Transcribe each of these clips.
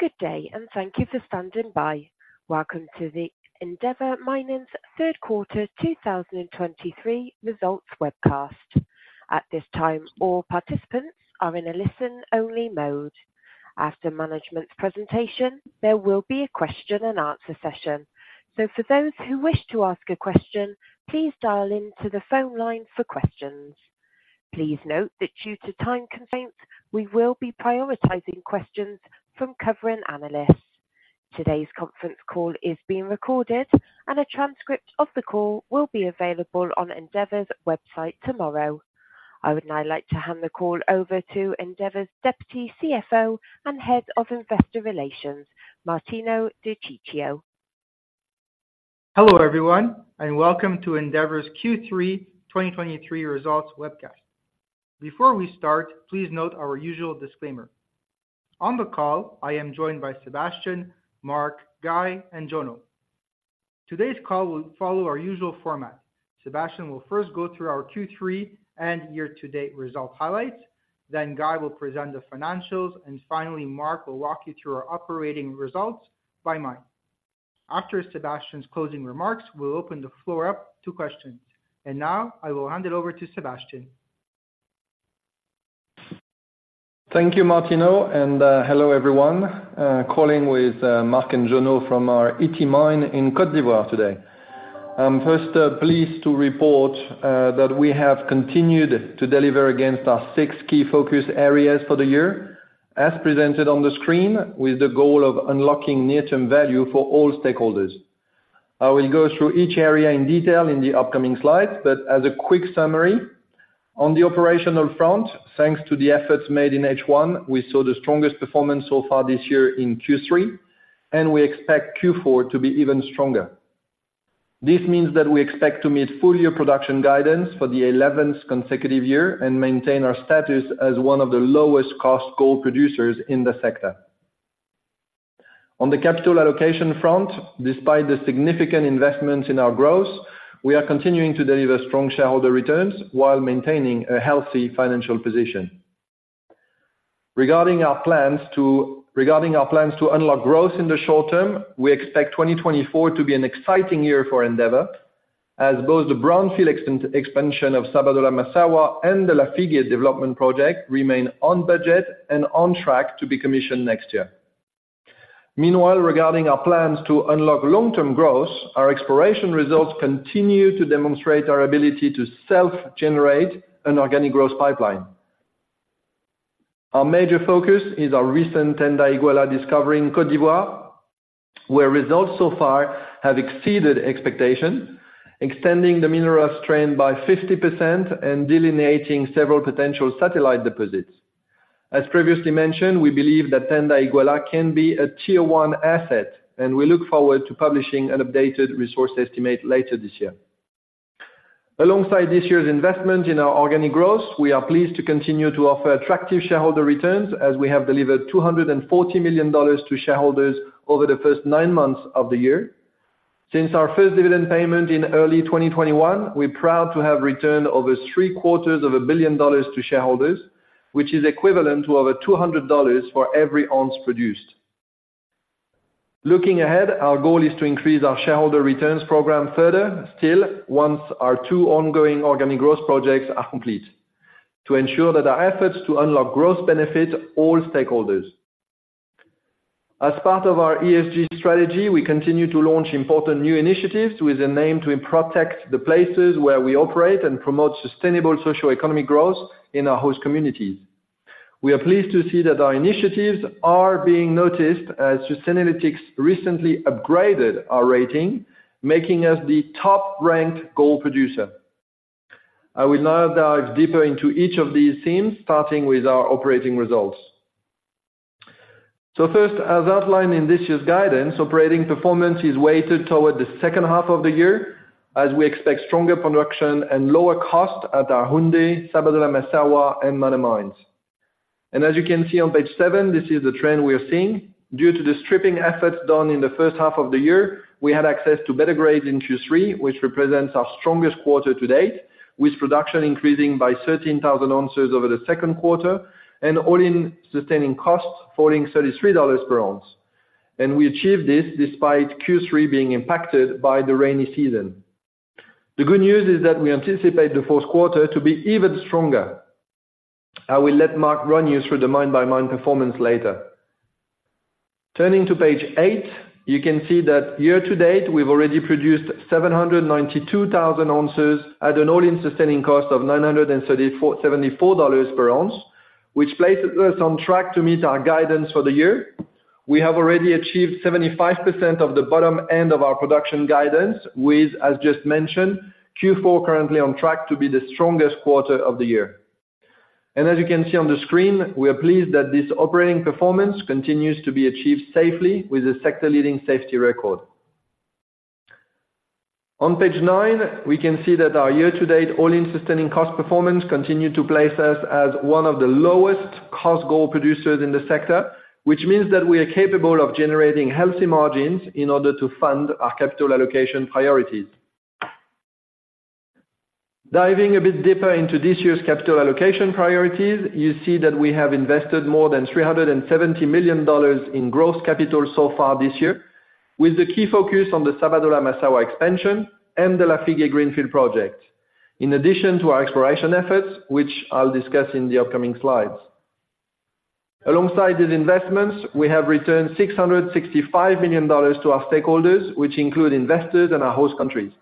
Good day, and thank you for standing by. Welcome to the Endeavour Mining's Third Quarter 2023 Results Webcast. At this time, all participants are in a listen-only mode. After management's presentation, there will be a question and answer session. For those who wish to ask a question, please dial into the phone line for questions. Please note that due to time constraints, we will be prioritizing questions from covering analysts. Today's conference call is being recorded, and a transcript of the call will be available on Endeavour's website tomorrow. I would now like to hand the call over to Endeavour's Deputy CFO and Head of Investor Relations, Martino De Ciccio. Hello, everyone, and welcome to Endeavour's Q3 2023 results webcast. Before we start, please note our usual disclaimer. On the call, I am joined by Sébastien, Mark, Guy, and Jono. Today's call will follow our usual format. Sébastien will first go through our Q3 and year-to-date result highlights, then Guy will present the financials, and finally, Mark will walk you through our operating results by mine. After Sébastien's closing remarks, we'll open the floor up to questions, and now I will hand it over to Sébastien. Thank you, Martino, and hello, everyone. Calling with Mark and Jono from our Ity mine in Côte d'Ivoire today. I'm first pleased to report that we have continued to deliver against our six key focus areas for the year, as presented on the screen, with the goal of unlocking near-term value for all stakeholders. I will go through each area in detail in the upcoming slides, but as a quick summary, on the operational front, thanks to the efforts made in H1, we saw the strongest performance so far this year in Q3, and we expect Q4 to be even stronger. This means that we expect to meet full year production guidance for the eleventh consecutive year and maintain our status as one of the lowest cost gold producers in the sector. On the capital allocation front, despite the significant investments in our growth, we are continuing to deliver strong shareholder returns while maintaining a healthy financial position. Regarding our plans to... Regarding our plans to unlock growth in the short term, we expect 2024 to be an exciting year for Endeavour, as both the brownfield expansion of Sabodala-Massawa and the Lafigué development project remain on budget and on track to be commissioned next year. Meanwhile, regarding our plans to unlock long-term growth, our exploration results continue to demonstrate our ability to self-generate an organic growth pipeline. Our major focus is our recent Tanda-Iguela discovery in Côte d'Ivoire, where results so far have exceeded expectations, extending the mineral strain by 50% and delineating several potential satellite deposits. As previously mentioned, we believe that Tanda-Iguela can be a Tier 1 asset, and we look forward to publishing an updated resource estimate later this year. Alongside this year's investment in our organic growth, we are pleased to continue to offer attractive shareholder returns, as we have delivered $240 million to shareholders over the first nine months of the year. Since our first dividend payment in early 2021, we're proud to have returned over $750 million to shareholders, which is equivalent to over $200 for every ounce produced. Looking ahead, our goal is to increase our shareholder returns program further, still, once our two ongoing organic growth projects are complete, to ensure that our efforts to unlock growth benefit all stakeholders. As part of our ESG strategy, we continue to launch important new initiatives with an aim to protect the places where we operate and promote sustainable social economic growth in our host communities. We are pleased to see that our initiatives are being noticed as Sustainalytics recently upgraded our rating, making us the top-ranked gold producer. I will now dive deeper into each of these themes, starting with our operating results. So first, as outlined in this year's guidance, operating performance is weighted toward the second half of the year, as we expect stronger production and lower cost at our Houndé, Sabodala-Massawa, and Mana mines. And as you can see on page seven, this is the trend we are seeing. Due to the stripping efforts done in the first half of the year, we had access to better grades in Q3, which represents our strongest quarter to date, with production increasing by 13,000 ounces over the second quarter and all-in sustaining costs falling $33 per ounce. We achieved this despite Q3 being impacted by the rainy season. The good news is that we anticipate the fourth quarter to be even stronger. I will let Mark run you through the mine-by-mine performance later. Turning to page eight, you can see that year-to-date, we've already produced 792,000 ounces at an all-in sustaining cost of $934.74 per ounce, which places us on track to meet our guidance for the year. We have already achieved 75% of the bottom end of our production guidance with, as just mentioned, Q4 currently on track to be the strongest quarter of the year. As you can see on the screen, we are pleased that this operating performance continues to be achieved safely with a sector-leading safety record. On page nine, we can see that our year-to-date all-in sustaining costs performance continued to place us as one of the lowest cost gold producers in the sector, which means that we are capable of generating healthy margins in order to fund our capital allocation priorities. Diving a bit deeper into this year's capital allocation priorities, you see that we have invested more than $370 million in growth capital so far this year, with the key focus on the Sabodala-Massawa expansion and the Lafigué greenfield project, in addition to our exploration efforts, which I'll discuss in the upcoming slides. Alongside these investments, we have returned $665 million to our stakeholders, which include investors and our host countries.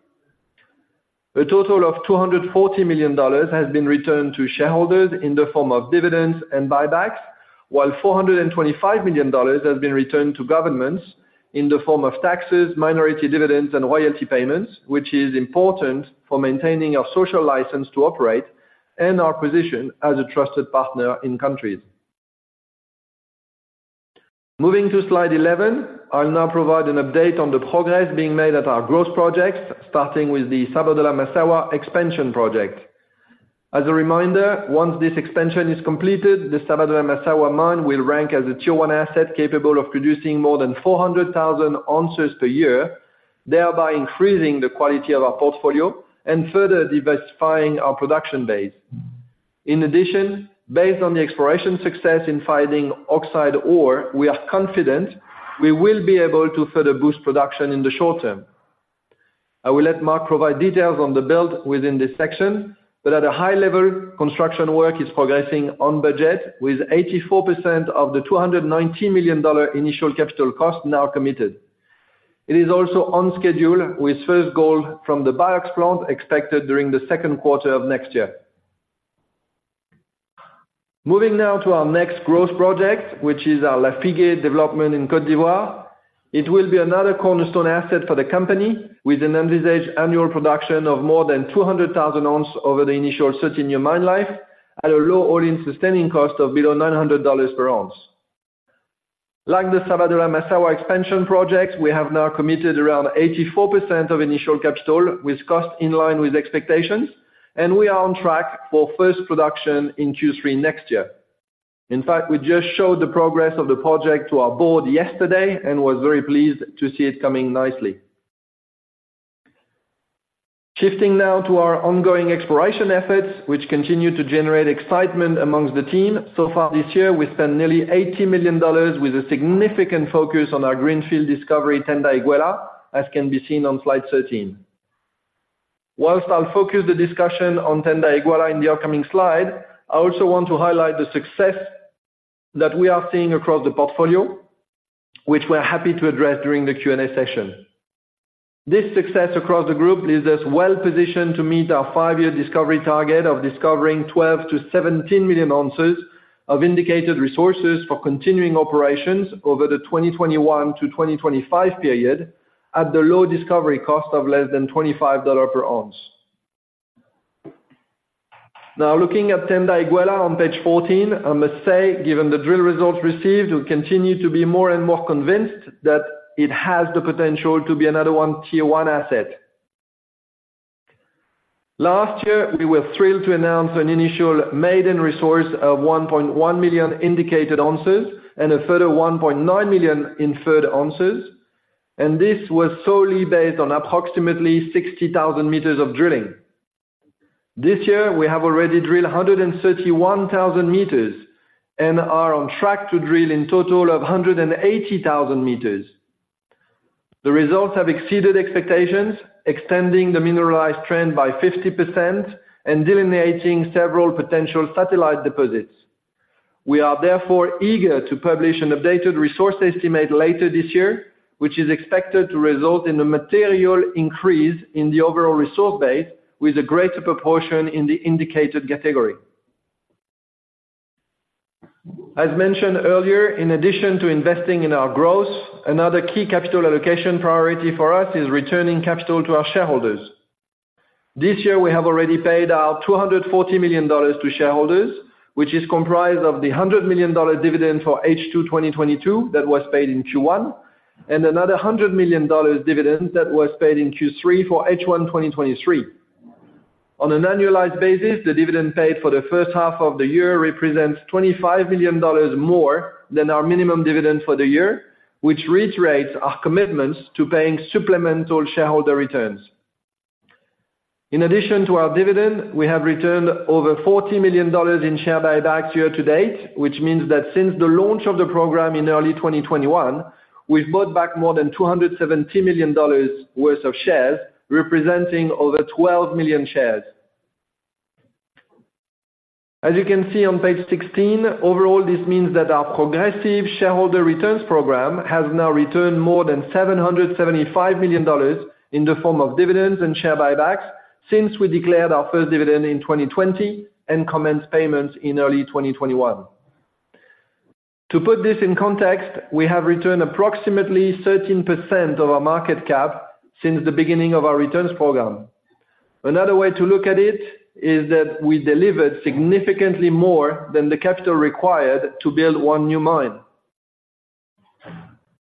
A total of $240 million has been returned to shareholders in the form of dividends and buybacks, while $425 million has been returned to governments in the form of taxes, minority dividends, and royalty payments, which is important for maintaining our social license to operate and our position as a trusted partner in countries. Moving to Slide 11, I'll now provide an update on the progress being made at our growth projects, starting with the Sabodala-Massawa expansion project. As a reminder, once this expansion is completed, the Sabodala-Massawa mine will rank as a Tier 1 asset, capable of producing more than 400,000 ounces per year, thereby increasing the quality of our portfolio and further diversifying our production base. In addition, based on the exploration success in finding oxide ore, we are confident we will be able to further boost production in the short term. I will let Mark provide details on the build within this section, but at a high level, construction work is progressing on budget with 84% of the $290 million initial capital cost now committed. It is also on schedule, with first gold from the BIOX plant expected during the second quarter of next year. Moving now to our next growth project, which is our Lafigué development in Côte d'Ivoire. It will be another cornerstone asset for the company, with an envisaged annual production of more than 200,000 ounces over the initial 13-year mine life at a low all-in sustaining cost of below $900 per ounce. Like the Sabodala-Massawa expansion project, we have now committed around 84% of initial capital, with cost in line with expectations, and we are on track for first production in Q3 next year. In fact, we just showed the progress of the project to our Board yesterday and was very pleased to see it coming nicely. Shifting now to our ongoing exploration efforts, which continue to generate excitement among the team. So far this year, we spent nearly $80 million with a significant focus on our greenfield discovery, Tanda-Iguela, as can be seen on Slide 13. While I'll focus the discussion on Tanda-Iguela in the upcoming slide, I also want to highlight the success that we are seeing across the portfolio, which we're happy to address during the Q&A session. This success across the group leaves us well positioned to meet our five-year discovery target of discovering 12-17 million ounces of indicated resources for continuing operations over the 2021-2025 period at the low discovery cost of less than $25 per ounce. Now, looking at Tanda-Iguela on page 14, I must say, given the drill results received, we continue to be more and more convinced that it has the potential to be another one, Tier 1 asset. Last year, we were thrilled to announce an initial maiden resource of 1.1 million indicated ounces and a further 1.9 million inferred ounces, and this was solely based on approximately 60,000 meters of drilling. This year, we have already drilled 131,000 meters and are on track to drill in total of 180,000 meters. The results have exceeded expectations, extending the mineralized trend by 50% and delineating several potential satellite deposits. We are therefore eager to publish an updated resource estimate later this year, which is expected to result in a material increase in the overall resource base, with a greater proportion in the indicated category. As mentioned earlier, in addition to investing in our growth, another key capital allocation priority for us is returning capital to our shareholders. This year, we have already paid out $240 million to shareholders, which is comprised of the $100 million dividend for H2 2022, that was paid in Q1, and another $100 million dividend that was paid in Q3 for H1 2023. On an annualized basis, the dividend paid for the first half of the year represents $25 million more than our minimum dividend for the year, which reiterates our commitments to paying supplemental shareholder returns. In addition to our dividend, we have returned over $40 million in share buybacks year to date, which means that since the launch of the program in early 2021, we've bought back more than $270 million worth of shares, representing over 12 million shares. As you can see on page 16, overall, this means that our progressive shareholder returns program has now returned more than $775 million in the form of dividends and share buybacks since we declared our first dividend in 2020 and commenced payments in early 2021. To put this in context, we have returned approximately 13% of our market cap since the beginning of our returns program. Another way to look at it is that we delivered significantly more than the capital required to build one new mine.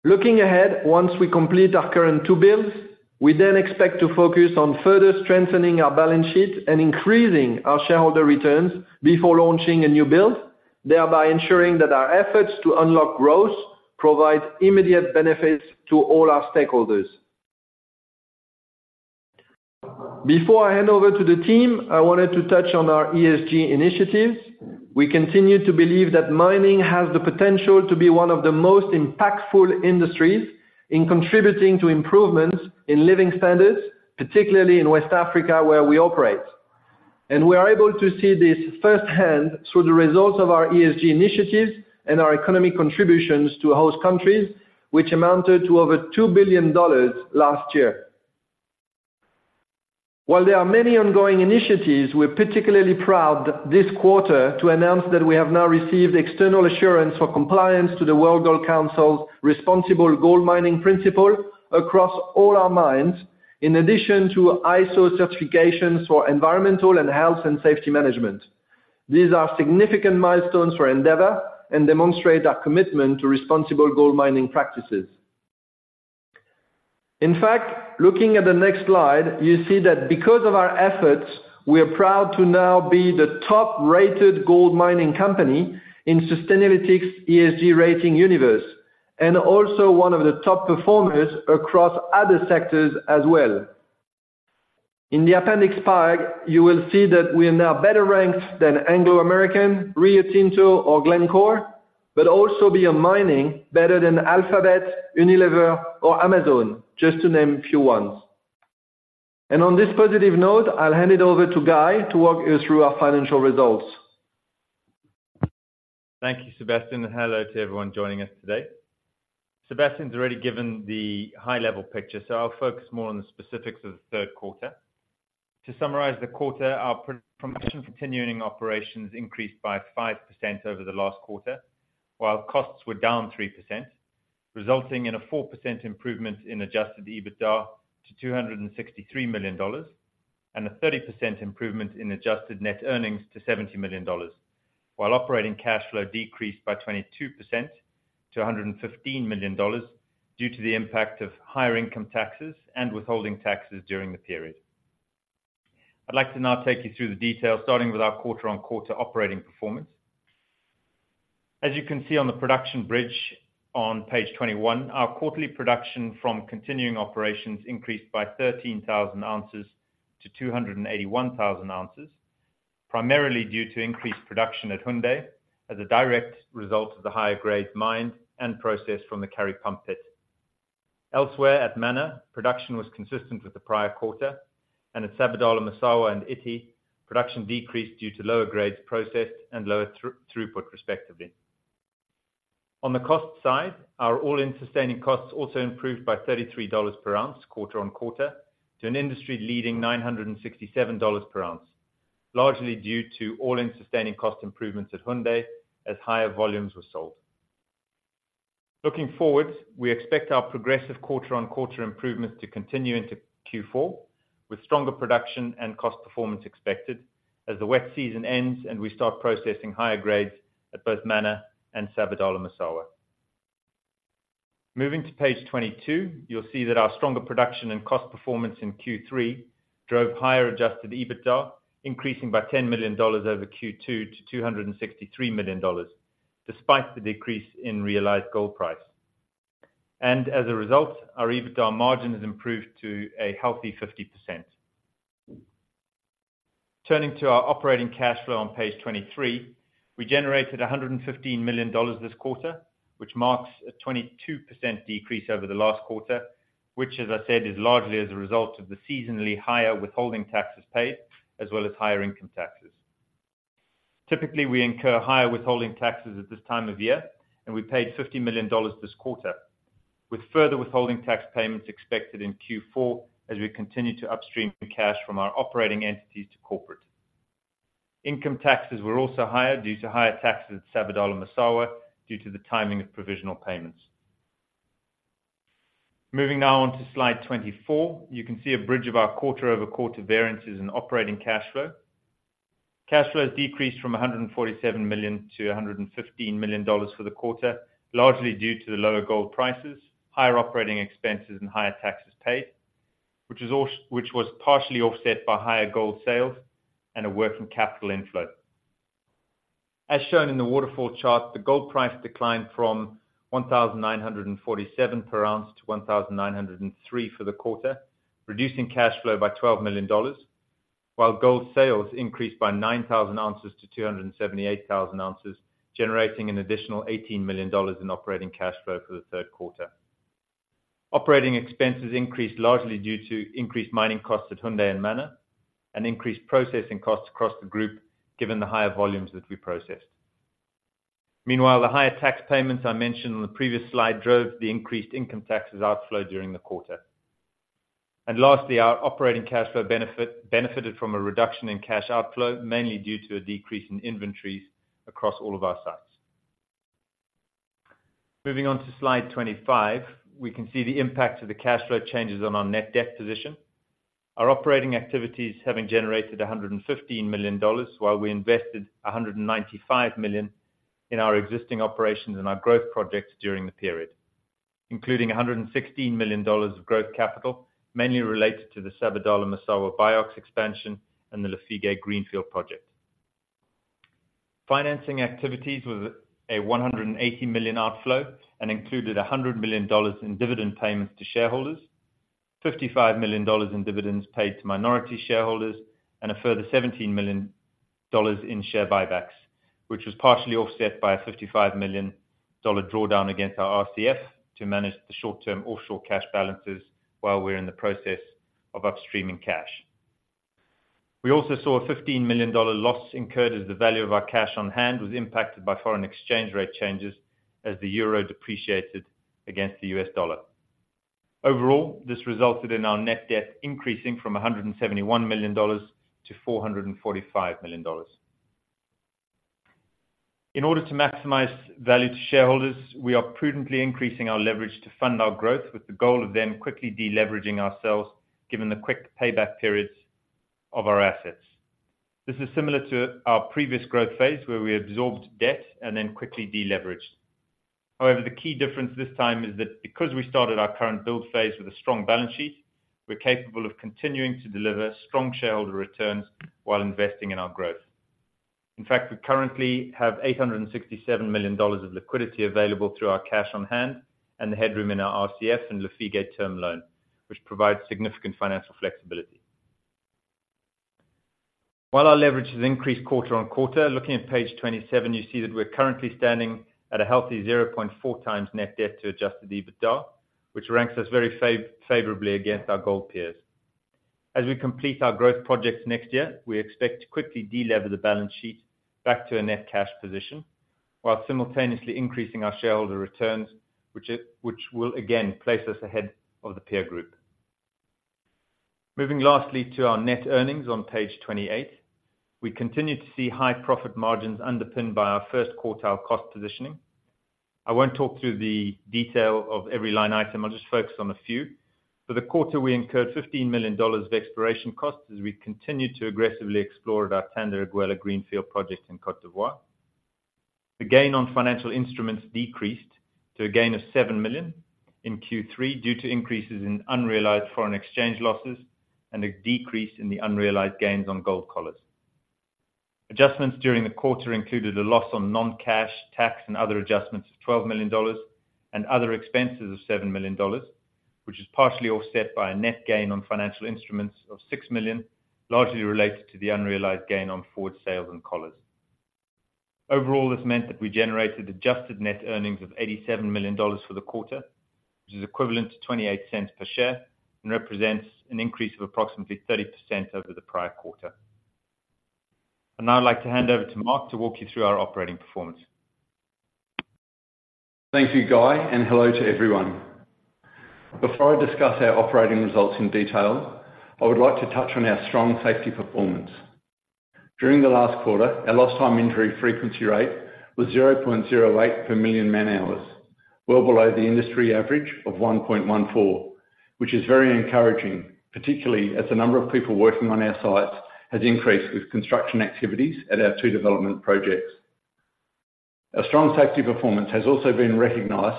Looking ahead, once we complete our current two builds, we then expect to focus on further strengthening our balance sheet and increasing our shareholder returns before launching a new build... thereby ensuring that our efforts to unlock growth provide immediate benefits to all our stakeholders. Before I hand over to the team, I wanted to touch on our ESG initiatives. We continue to believe that mining has the potential to be one of the most impactful industries in contributing to improvements in living standards, particularly in West Africa, where we operate. We are able to see this firsthand through the results of our ESG initiatives and our economic contributions to host countries, which amounted to over $2 billion last year. While there are many ongoing initiatives, we're particularly proud this quarter to announce that we have now received external assurance for compliance to the World Gold Council's Responsible Gold Mining Principles across all our mines, in addition to ISO certifications for environmental and health and safety management. These are significant milestones for Endeavour and demonstrate our commitment to responsible gold mining practices. In fact, looking at the next slide, you see that because of our efforts, we are proud to now be the top-rated gold mining company in Sustainalytics ESG Rating universe, and also one of the top performers across other sectors as well. In Appendix 5, you will see that we are now better ranked than Anglo American, Rio Tinto or Glencore, but also beyond mining, better than Alphabet, Unilever, or Amazon, just to name a few ones. On this positive note, I'll hand it over to Guy to walk you through our financial results. Thank you, Sébastien, and hello to everyone joining us today. Sébastien's already given the high-level picture, so I'll focus more on the specifics of the third quarter. To summarize the quarter, our gold production from continuing operations increased by 5% over the last quarter, while costs were down 3%, resulting in a 4% improvement in Adjusted EBITDA to $263 million, and a 30% improvement in adjusted net earnings to $70 million. While operating cash flow decreased by 22% to $115 million, due to the impact of higher income taxes and withholding taxes during the period. I'd like to now take you through the details, starting with our quarter-on-quarter operating performance. As you can see on the production bridge on page 21, our quarterly production from continuing operations increased by 13,000 ounces to 281,000 ounces, primarily due to increased production at Houndé, as a direct result of the higher grades mined and processed from the Kari Pump pit. Elsewhere at Mana, production was consistent with the prior quarter, and at Sabodala-Massawa and Ity, production decreased due to lower grades processed and lower throughput, respectively. On the cost side, our all-in sustaining costs also improved by $33 per ounce, quarter-on-quarter, to an industry-leading $967 per ounce, largely due to all-in sustaining cost improvements at Houndé as higher volumes were sold. Looking forward, we expect our progressive quarter-on-quarter improvements to continue into Q4, with stronger production and cost performance expected as the wet season ends and we start processing higher grades at both Mana and Sabodala-Massawa. Moving to page 22, you'll see that our stronger production and cost performance in Q3 drove higher Adjusted EBITDA, increasing by $10 million over Q2 to $263 million, despite the decrease in realized gold price. As a result, our EBITDA margin has improved to a healthy 50%. Turning to our operating cash flow on page 23, we generated $115 million this quarter, which marks a 22% decrease over the last quarter, which, as I said, is largely as a result of the seasonally higher withholding taxes paid, as well as higher income taxes. Typically, we incur higher withholding taxes at this time of year, and we paid $50 million this quarter, with further withholding tax payments expected in Q4 as we continue to upstream the cash from our operating entities to corporate. Income taxes were also higher due to higher taxes at Sabodala-Massawa, due to the timing of provisional payments. Moving now on to Slide 24, you can see a bridge of our quarter-over-quarter variances in operating cash flow. Cash flow has decreased from 147 million to $115 million for the quarter, largely due to the lower gold prices, higher operating expenses, and higher taxes paid, which was partially offset by higher gold sales and a working capital inflow. As shown in the waterfall chart, the gold price declined from $1,947 per ounce to $1,903 for the quarter, reducing cash flow by $12 million, while gold sales increased by 9,000 ounces to 278,000 ounces, generating an additional $18 million in operating cash flow for the third quarter. Operating expenses increased largely due to increased mining costs at Houndé and Mana, and increased processing costs across the group, given the higher volumes that we processed. Meanwhile, the higher tax payments I mentioned on the previous slide, drove the increased income taxes outflow during the quarter. Lastly, our operating cash flow benefited from a reduction in cash outflow, mainly due to a decrease in inventories across all of our sites. Moving on to Slide 25, we can see the impact of the cash flow changes on our net debt position. Our operating activities having generated $115 million, while we invested $195 million in our existing operations and our growth projects during the period, including $116 million of growth capital, mainly related to the Sabodala-Massawa BIOX expansion and the Lafigué greenfield project. Financing activities with a $180 million outflow and included $100 million in dividend payments to shareholders, $55 million in dividends paid to minority shareholders, and a further $17 million in share buybacks, which was partially offset by a $55 million drawdown against our RCF to manage the short-term offshore cash balances while we're in the process of upstreaming cash. We also saw a $15 million loss incurred, as the value of our cash on hand was impacted by foreign exchange rate changes as the euro depreciated against the U.S. dollar. Overall, this resulted in our net debt increasing from $171 million to $445 million. In order to maximize value to shareholders, we are prudently increasing our leverage to fund our growth with the goal of then quickly deleveraging ourselves, given the quick payback periods of our assets. This is similar to our previous growth phase, where we absorbed debt and then quickly deleveraged. However, the key difference this time is that because we started our current build phase with a strong balance sheet, we're capable of continuing to deliver strong shareholder returns while investing in our growth. In fact, we currently have $867 million of liquidity available through our cash on hand and the headroom in our RCF and Lafigué term loan, which provides significant financial flexibility. While our leverage has increased quarter-on-quarter, looking at page 27, you see that we're currently standing at a healthy 0.4x net debt to Adjusted EBITDA, which ranks us very favorably against our gold peers. As we complete our growth projects next year, we expect to quickly delever the balance sheet back to a net cash position, while simultaneously increasing our shareholder returns, which will again place us ahead of the peer group. Moving lastly to our net earnings on page 28. We continue to see high profit margins underpinned by our first quartile cost positioning. I won't talk through the detail of every line item. I'll just focus on a few. For the quarter, we incurred $15 million of exploration costs as we continued to aggressively explore at our Tanda-Iguela Greenfield project in Côte d'Ivoire. The gain on financial instruments decreased to a gain of $7 million in Q3, due to increases in unrealized foreign exchange losses and a decrease in the unrealized gains on gold collars. Adjustments during the quarter included a loss on non-cash, tax and other adjustments of $12 million, and other expenses of $7 million, which is partially offset by a net gain on financial instruments of $6 million, largely related to the unrealized gain on forward sales and collars. Overall, this meant that we generated adjusted net earnings of $87 million for the quarter, which is equivalent to $0.28 per share and represents an increase of approximately 30% over the prior quarter. Now I'd like to hand over to Mark to walk you through our operating performance. Thank you, Guy, and hello to everyone. Before I discuss our operating results in detail, I would like to touch on our strong safety performance. During the last quarter, our lost time injury frequency rate was 0.08 per million man-hours, well below the industry average of 1.14, which is very encouraging, particularly as the number of people working on our sites has increased with construction activities at our two development projects. Our strong safety performance has also been recognized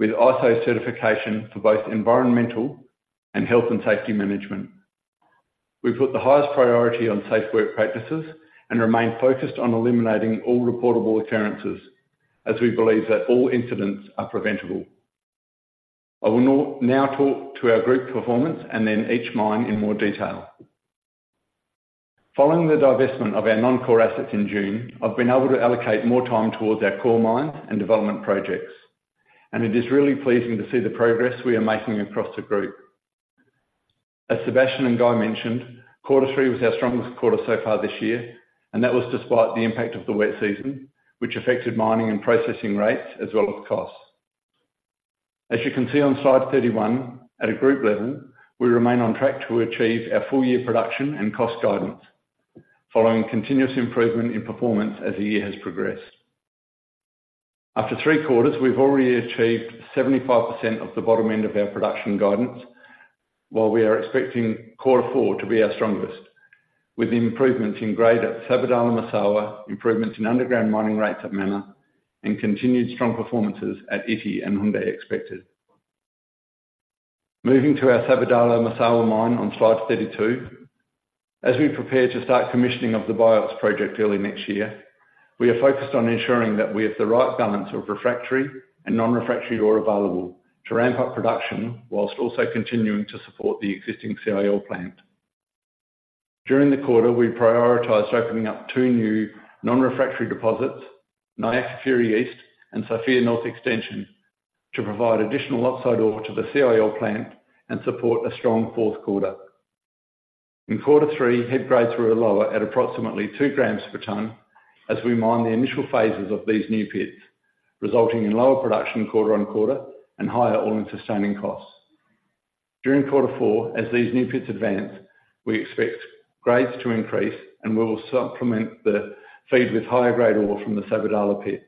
with ISO certification for both environmental and health and safety management. We put the highest priority on safe work practices and remain focused on eliminating all reportable occurrences, as we believe that all incidents are preventable. I will now talk to our group performance and then each mine in more detail. Following the divestment of our non-core assets in June, I've been able to allocate more time towards our core mine and development projects, and it is really pleasing to see the progress we are making across the group. As Sébastien and Guy mentioned, quarter three was our strongest quarter so far this year, and that was despite the impact of the wet season, which affected mining and processing rates as well as costs. As you can see on Slide 31, at a group level, we remain on track to achieve our full year production and cost guidance, following continuous improvement in performance as the year has progressed. After three quarters, we've already achieved 75% of the bottom end of our production guidance, while we are expecting quarter four to be our strongest, with improvements in grade at Sabodala-Massawa, improvements in underground mining rates at Mana, and continued strong performances at Ity and Houndé expected. Moving to our Sabodala-Massawa mine on Slide 32. As we prepare to start commissioning of the BIOX project early next year, we are focused on ensuring that we have the right balance of refractory and non-refractory ore available to ramp up production, while also continuing to support the existing CIL plant. During the quarter, we prioritized opening up two new non-refractory deposits, Niakafiri East and Sofia North Extension, to provide additional oxide ore to the CIL plant and support a strong fourth quarter. In quarter three, head grades were lower at approximately two grams per ton as we mined the initial phases of these new pits, resulting in lower production quarter-over-quarter and higher all-in sustaining costs. During quarter four, as these new pits advance, we expect grades to increase, and we will supplement the feed with higher-grade ore from the Sabodala-Massawa pit.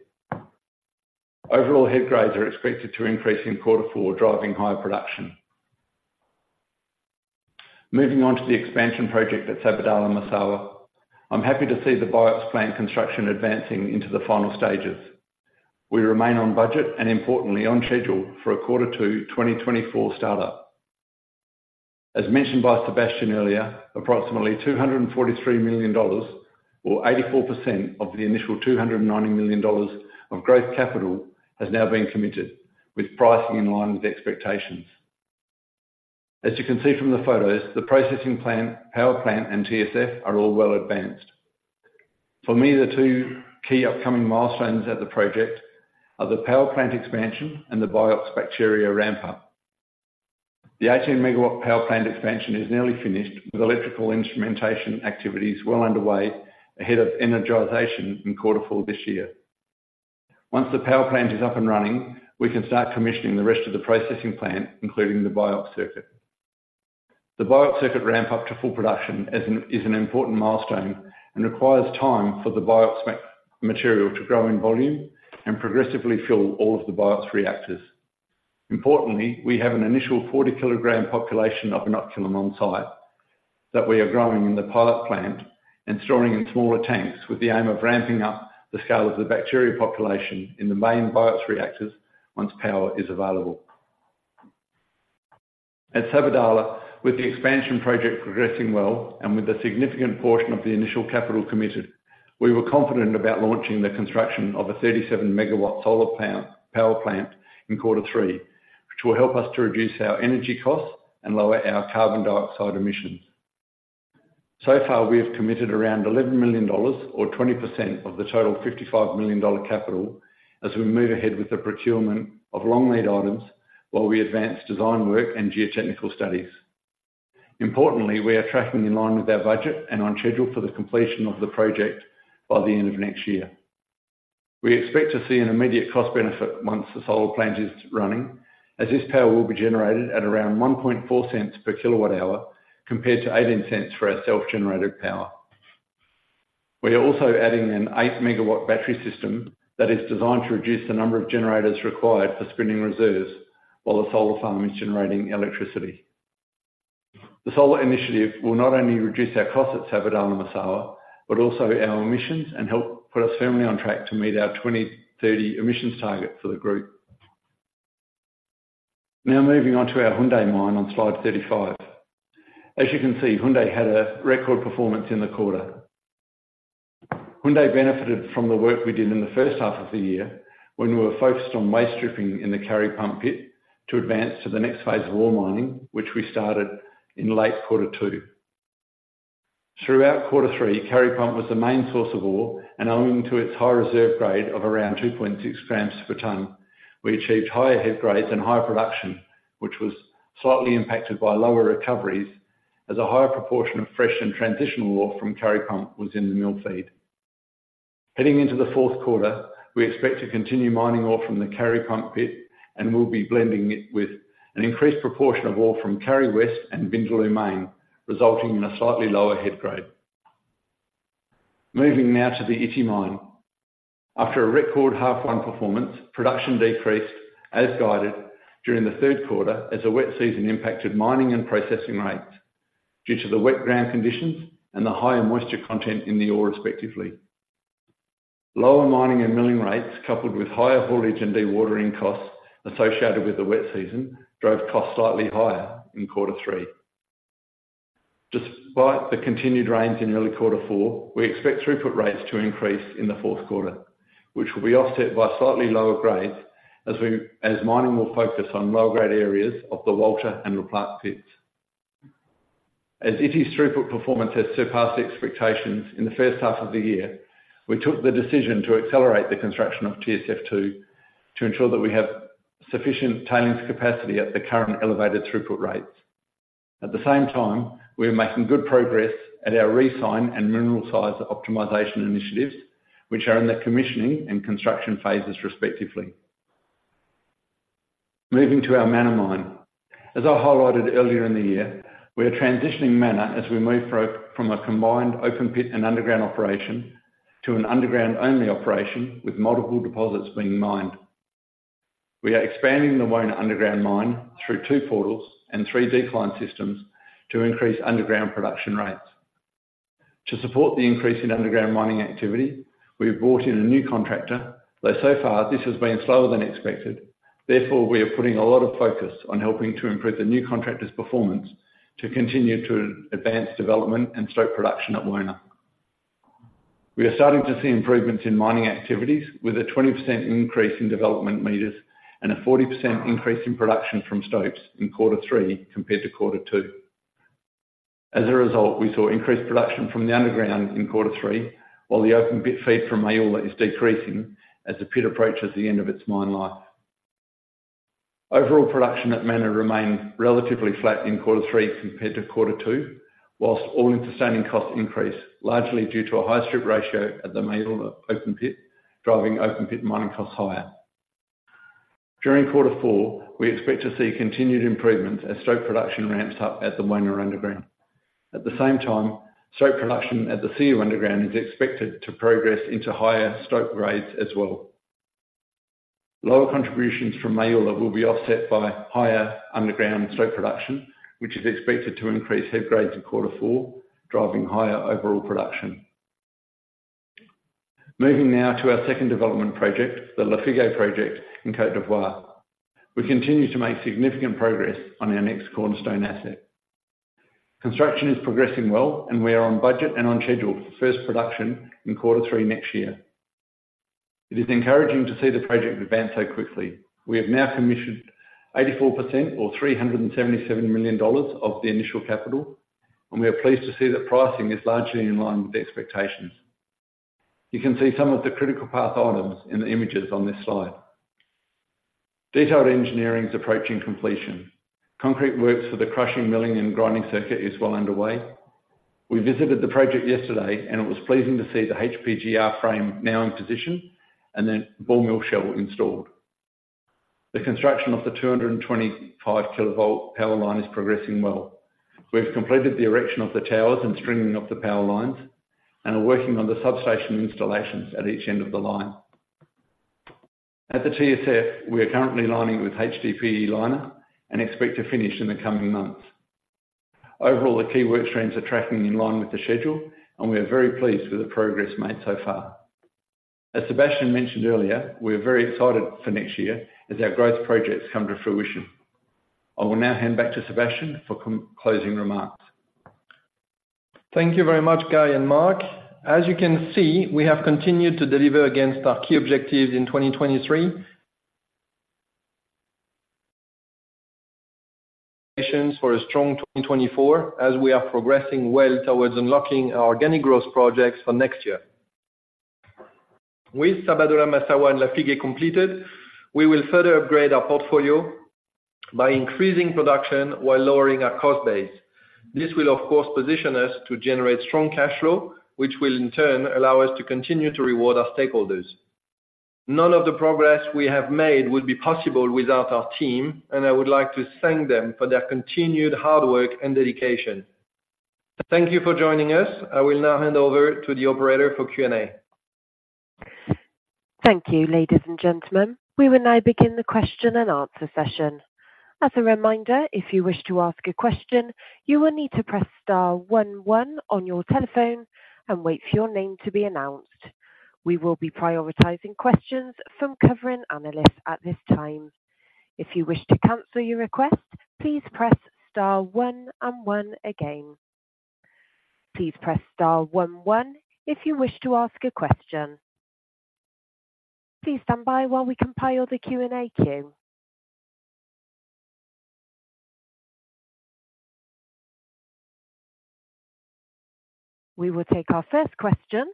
Overall, head grades are expected to increase in quarter four, driving higher production. Moving on to the expansion project at Sabodala-Massawa. I'm happy to see the BIOX plant construction advancing into the final stages. We remain on budget, and importantly, on schedule for a quarter two 2024 startup. As mentioned by Sébastien earlier, approximately $243 million, or 84% of the initial $290 million of growth capital, has now been committed, with pricing in line with expectations. As you can see from the photos, the processing plant, power plant, and TSF are all well advanced. For me, the two key upcoming milestones at the project are the power plant expansion and the BIOX bacteria ramp-up. The 18 MW power plant expansion is nearly finished, with electrical instrumentation activities well underway ahead of energization in quarter four this year. Once the power plant is up and running, we can start commissioning the rest of the processing plant, including the BIOX circuit. The BIOX circuit ramp-up to full production is an important milestone and requires time for the BIOX material to grow in volume and progressively fill all of the BIOX reactors. Importantly, we have an initial 40-kilogram population of inoculum on-site that we are growing in the pilot plant and storing in smaller tanks, with the aim of ramping up the scale of the bacteria population in the main BIOX reactors once power is available. At Sabodala, with the expansion project progressing well, and with a significant portion of the initial capital committed, we were confident about launching the construction of a 37 MW solar plant-power plant in quarter three, which will help us to reduce our energy costs and lower our carbon dioxide emissions. So far, we have committed around $11 million, or 20% of the total $55 million capital, as we move ahead with the procurement of long-lead items while we advance design work and geotechnical studies. Importantly, we are tracking in line with our budget and on schedule for the completion of the project by the end of next year. We expect to see an immediate cost benefit once the solar plant is running, as this power will be generated at around $0.014 per kWh, compared to $0.18 for our self-generated power. We are also adding an 8 MW battery system that is designed to reduce the number of generators required for spinning reserves while the solar farm is generating electricity. The solar initiative will not only reduce our costs at Sabodala-Massawa, but also our emissions, and help put us firmly on track to meet our 2030 emissions target for the group. Now, moving on to our Houndé mine on Slide 35. As you can see, Houndé had a record performance in the quarter. Houndé benefited from the work we did in the first half of the year, when we were focused on waste stripping in the Kari Pump pit to advance to the next phase of ore mining, which we started in late quarter two. Throughout quarter three, Kari Pump was the main source of ore, and owing to its high reserve grade of around 2.6 grams per ton, we achieved higher head grades and higher production, which was slightly impacted by lower recoveries, as a higher proportion of fresh and transitional ore from Kari Pump was in the mill feed. Heading into the fourth quarter, we expect to continue mining ore from the Kari Pump pit, and we'll be blending it with an increased proportion of ore from Kari West and Vindaloo mine, resulting in a slightly lower head grade. Moving now to the Ity mine. After a record H1 performance, production decreased as guided during the third quarter, as the wet season impacted mining and processing rates due to the wet ground conditions and the higher moisture content in the ore, respectively. Lower mining and milling rates, coupled with higher haulage and dewatering costs associated with the wet season, drove costs slightly higher in quarter three. Despite the continued rains in early quarter four, we expect throughput rates to increase in the fourth quarter, which will be offset by slightly lower grades as mining will focus on low-grade areas of the Walter and La Plaque pits. As Ity's throughput performance has surpassed expectations in the first half of the year, we took the decision to accelerate the construction of TSF2 to ensure that we have sufficient tailings capacity at the current elevated throughput rates. At the same time, we are making good progress at our Recyn and mineral sizer optimization initiatives, which are in the commissioning and construction phases, respectively. Moving to our Mana mine. As I highlighted earlier in the year, we are transitioning Mana as we move from a combined open pit and underground operation to an underground-only operation, with multiple deposits being mined. We are expanding the Wona underground mine through two portals and three decline systems to increase underground production rates. To support the increase in underground mining activity, we have brought in a new contractor, though so far, this has been slower than expected. Therefore, we are putting a lot of focus on helping to improve the new contractor's performance to continue to advance development and stope production at Wona. We are starting to see improvements in mining activities, with a 20% increase in development meters and a 40% increase in production from stopes in quarter three compared to quarter two. As a result, we saw increased production from the underground in quarter three, while the open pit feed from Maoula is decreasing as the pit approaches the end of its mine life. Overall production at Mana remained relatively flat in quarter three compared to quarter two, while all-in sustaining costs increased, largely due to a high strip ratio at the Maoula open pit, driving open pit mining costs higher. During quarter four, we expect to see continued improvements as stope production ramps up at the Wona underground. At the same time, stope production at the Siou underground is expected to progress into higher stope grades as well. Lower contributions from Maoula will be offset by higher underground stope production, which is expected to increase head grades in quarter four, driving higher overall production. Moving now to our second development project, the Lafigué Project in Côte d'Ivoire. We continue to make significant progress on our next cornerstone asset. Construction is progressing well, and we are on budget and on schedule for first production in quarter three next year. It is encouraging to see the project advance so quickly. We have now commissioned 84% or $377 million of the initial capital, and we are pleased to see that pricing is largely in line with the expectations. You can see some of the critical path items in the images on this slide. Detailed engineering is approaching completion. Concrete works for the crushing, milling, and grinding circuit is well underway. We visited the project yesterday, and it was pleasing to see the HPGR frame now in position and then ball mill shell installed. The construction of the 225-kilovolt power line is progressing well. We've completed the erection of the towers and stringing of the power lines, and are working on the substation installations at each end of the line. At the TSF, we are currently lining with HDPE liner and expect to finish in the coming months. Overall, the key work streams are tracking in line with the schedule, and we are very pleased with the progress made so far. As Sébastien mentioned earlier, we are very excited for next year as our growth projects come to fruition. I will now hand back to Sébastien for closing remarks. Thank you very much, Guy and Mark. As you can see, we have continued to deliver against our key objectives in 2023. Conditions for a strong 2024, as we are progressing well towards unlocking our organic growth projects for next year. With Sabodala-Massawa, and Lafigué completed, we will further upgrade our portfolio by increasing production while lowering our cost base. This will, of course, position us to generate strong cash flow, which will in turn allow us to continue to reward our stakeholders. None of the progress we have made would be possible without our team, and I would like to thank them for their continued hard work and dedication. Thank you for joining us. I will now hand over to the operator for Q&A. Thank you, ladies and gentlemen. We will now begin the question and answer session. As a reminder, if you wish to ask a question, you will need to press star one one on your telephone and wait for your name to be announced. We will be prioritizing questions from covering analysts at this time. If you wish to cancel your request, please press star one and one again. Please press star one one if you wish to ask a question. Please stand by while we compile the Q&A queue. We will take our first question.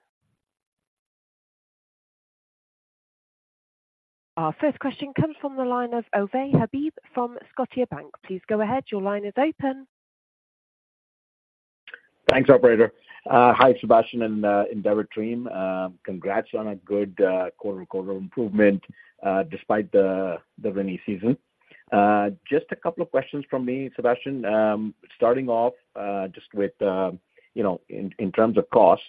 Our first question comes from the line of Ovais Habib from Scotiabank. Please go ahead. Your line is open. Thanks, operator. Hi, Sébastien and Endeavour team. Congrats on a good quarter, quarter improvement, despite the rainy season. Just a couple of questions from me, Sébastien. Starting off, just with you know, in terms of cost,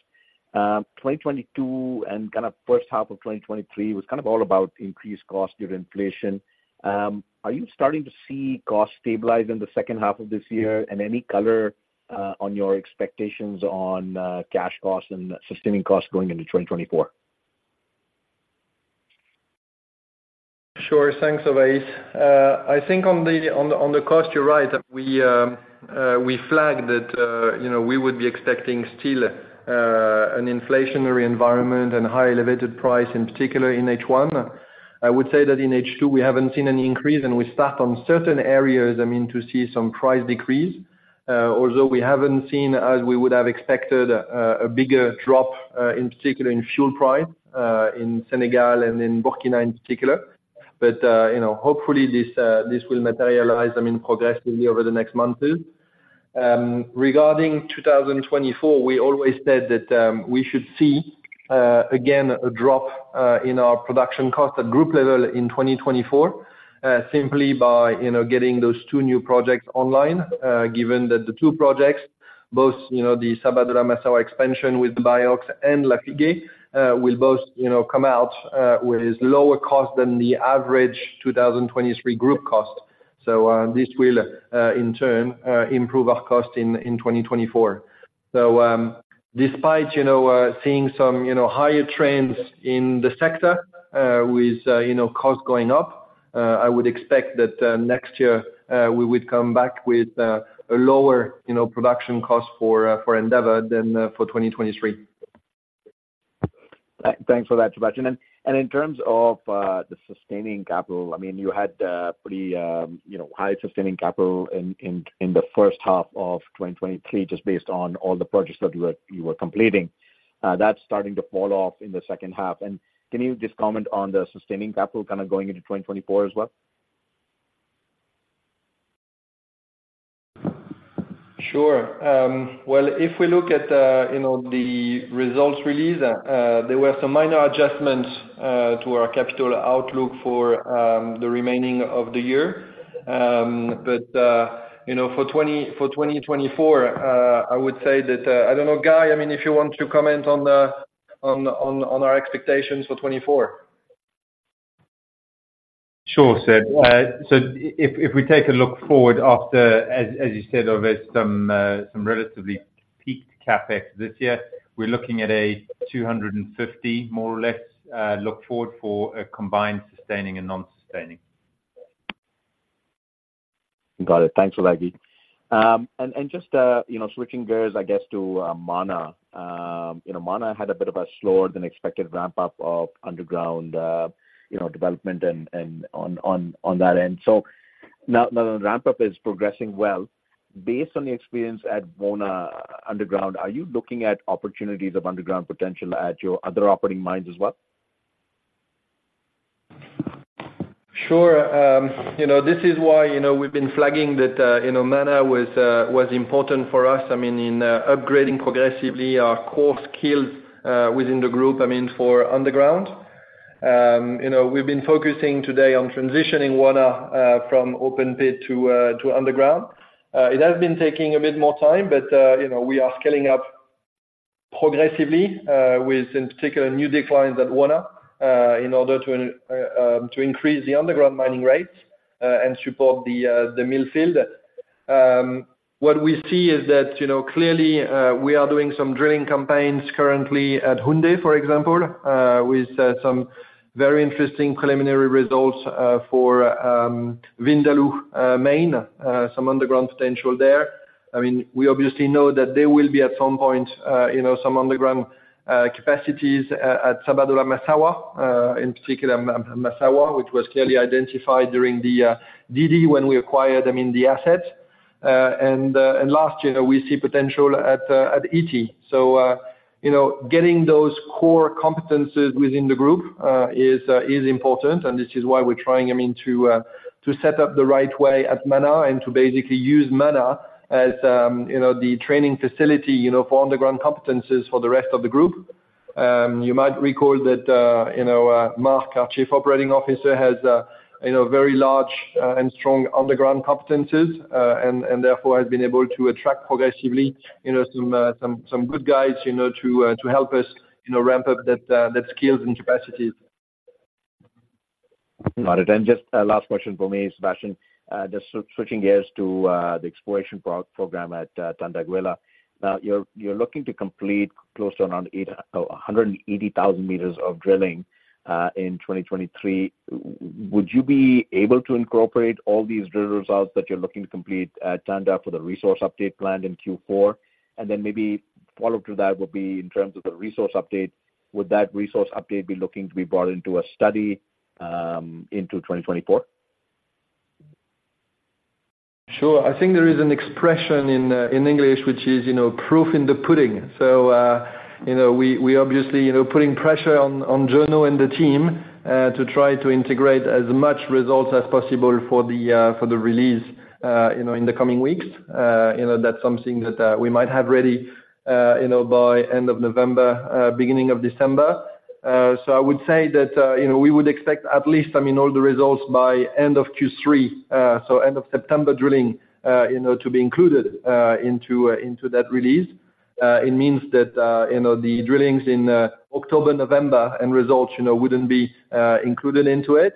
2022 and kind of first half of 2023 was kind of all about increased cost due to inflation. Are you starting to see costs stabilize in the second half of this year? And any color on your expectations on cash costs and sustaining costs going into 2024? Sure. Thanks, Ovais. I think on the cost, you're right. We flagged that, you know, we would be expecting still an inflationary environment and higher elevated price, in particular in H1. I would say that in H2, we haven't seen any increase, and we start on certain areas, I mean, to see some price decrease. Although we haven't seen as we would have expected a bigger drop, in particular in fuel price, in Senegal and in Burkina in particular. But you know, hopefully this will materialize, I mean, progressively over the next months, too. Regarding 2024, we always said that we should see again a drop in our production cost at group level in 2024, simply by, you know, getting those two new projects online. Given that the two projects, both, you know, the Sabodala-Massawa expansion with the BIOX and Lafigué, will both, you know, come out with lower cost than the average 2023 group cost. So, this will in turn improve our cost in 2024. So, despite, you know, seeing some, you know, higher trends in the sector with, you know, costs going up, I would expect that next year we would come back with a lower, you know, production cost for Endeavour than for 2023. Thanks for that, Sébastien. And in terms of the sustaining capital, I mean, you had pretty, you know, high sustaining capital in the first half of 2023, just based on all the projects that you were completing. That's starting to fall off in the second half. And can you just comment on the sustaining capital kind of going into 2024 as well? Sure. Well, if we look at, you know, the results release, there were some minor adjustments to our capital outlook for the remaining of the year. But, you know, for 2024, I would say that, I don't know, Guy, I mean, if you want to comment on our expectations for 2024? Sure, Séb. So if we take a look forward after, as you said, there's some relatively peaked CapEx this year, we're looking at a $250, more or less, look forward for a combined sustaining and non-sustaining? Got it. Thanks a lot, Andy. And just, you know, switching gears, I guess, to Mana. You know, Mana had a bit of a slower than expected ramp-up of underground development and on that end. So now that the ramp-up is progressing well, based on the experience at Mana Underground, are you looking at opportunities of underground potential at your other operating mines as well? Sure. You know, this is why, you know, we've been flagging that, you know, Mana was important for us, I mean, in upgrading progressively our core skills within the group, I mean, for underground. You know, we've been focusing today on transitioning Mana from open pit to underground. It has been taking a bit more time, but, you know, we are scaling up progressively, with, in particular, new declines at Mana, in order to to increase the underground mining rates and support the mill feed. What we see is that, you know, clearly, we are doing some drilling campaigns currently at Houndé, for example, with some very interesting preliminary results for Vindaloo main, some underground potential there. I mean, we obviously know that there will be, at some point, you know, some underground capacities at Sabodala-Massawa, in particular, Massawa, which was clearly identified during the DD when we acquired, I mean, the asset. And last year, we see potential at Ity. So, you know, getting those core competencies within the group is important, and this is why we're trying, I mean, to set up the right way at Mana, and to basically use Mana as, you know, the training facility, you know, for underground competencies for the rest of the group. You might recall that, you know, Mark, our Chief Operating Officer, has, you know, very large and strong underground competencies, and therefore has been able to attract progressively, you know, some good guys, you know, to help us, you know, ramp up that skills and capacities. Got it. Just a last question for me, Sébastien. Just switching gears to the exploration program at Tanda-Iguela. Now, you're looking to complete close to around 880,000 meters of drilling in 2023. Would you be able to incorporate all these drill results that you're looking to complete at Tanda-Iguela for the resource update planned in Q4? And then maybe follow through that would be in terms of the resource update, would that resource update be looking to be brought into a study into 2024? Sure. I think there is an expression in, in English which is, you know, proof in the pudding. So, you know, we, we obviously, you know, putting pressure on, on Jono and the team, to try to integrate as much results as possible for the, for the release, you know, in the coming weeks. You know, that's something that, we might have ready, you know, by end of November, beginning of December. So I would say that, you know, we would expect at least, I mean, all the results by end of Q3, so end of September drilling, you know, to be included, into, into that release. It means that, you know, the drillings in, October, November, and results, you know, wouldn't be, included into it.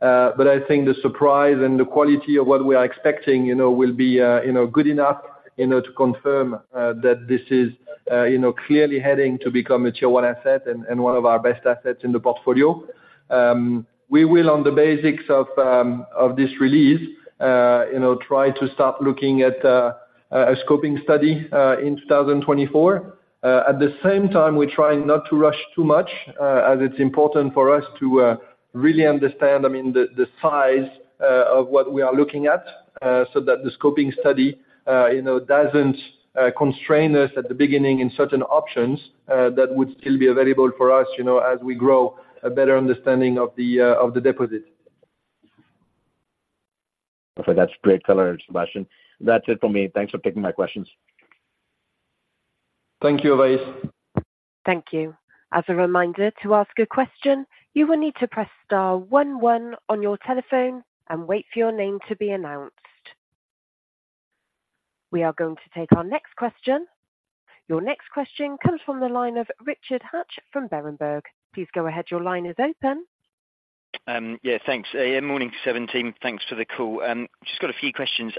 But I think the surprise and the quality of what we are expecting, you know, will be, you know, good enough, you know, to confirm that this is, you know, clearly heading to become a Tier 1 asset and, and one of our best assets in the portfolio. We will, on the basics of, of this release, you know, try to start looking at a scoping study in 2024. At the same time, we're trying not to rush too much, as it's important for us to really understand, I mean, the size of what we are looking at, so that the scoping study, you know, doesn't constrain us at the beginning in certain options that would still be available for us, you know, as we grow a better understanding of the deposit. Okay, that's great coverage, Sébastien. That's it for me. Thanks for taking my questions. Thank you, Ovais. Thank you. As a reminder, to ask a question, you will need to press star one one on your telephone and wait for your name to be announced. We are going to take our next question. Your next question comes from the line of Richard Hatch from Berenberg. Please go ahead, your line is open. Yeah, thanks. Morning, everyone. Thanks for the call. Just got a few questions.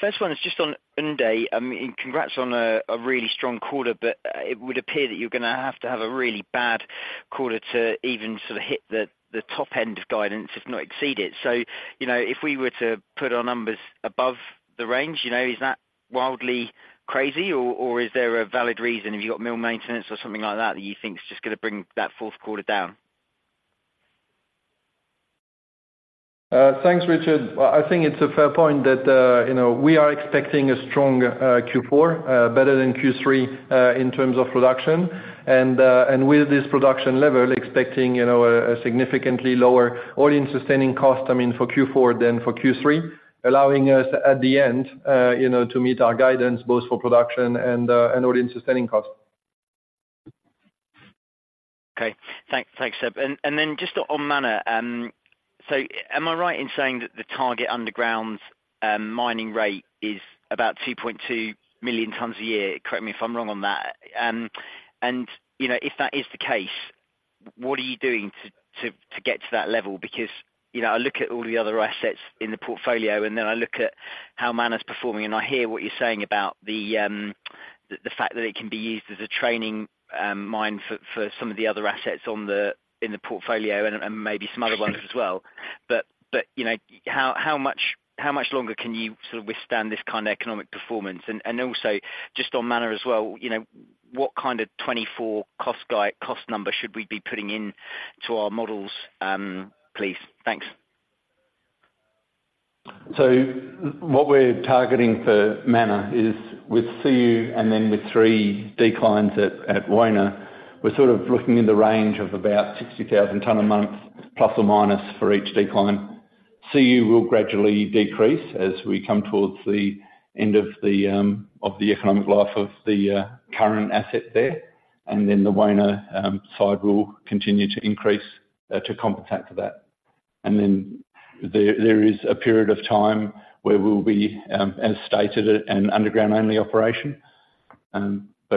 First one is just on Houndé. I mean, congrats on a, a really strong quarter, but, it would appear that you're gonna have to have a really bad quarter to even sort of hit the, the top end of guidance, if not exceed it. So, you know, if we were to put our numbers above the range, you know, is that wildly crazy? Or, or is there a valid reason, have you got mill maintenance or something like that, that you think is just gonna bring that fourth quarter down? Thanks, Richard. Well, I think it's a fair point that, you know, we are expecting a strong Q4, better than Q3, in terms of production. And with this production level, expecting, you know, a significantly lower all-in sustaining cost, I mean, for Q4 than for Q3, allowing us, at the end, you know, to meet our guidance both for production and all-in sustaining cost. Okay. Thanks, thanks, Séb. And then just on Mana, so am I right in saying that the target underground mining rate is about 2.2 million tons a year? Correct me if I'm wrong on that. And, you know, if that is the case. What are you doing to get to that level? Because, you know, I look at all the other assets in the portfolio, and then I look at how Mana's performing, and I hear what you're saying about the fact that it can be used as a training mine for some of the other assets in the portfolio and maybe some other ones as well. But, you know, how much longer can you sort of withstand this kind of economic performance? And also just on Mana as well, you know, what kind of 2024 cost guide, cost number should we be putting into our models, please? Thanks. So what we're targeting for Mana is with Siou, and then with three declines at Wona. We're sort of looking in the range of about 60,000 tons a month ± for each decline. Siou will gradually decrease as we come towards the end of the economic life of the current asset there, and then the Wona side will continue to increase to compensate for that. And then there is a period of time where we'll be, as stated, at an underground-only operation.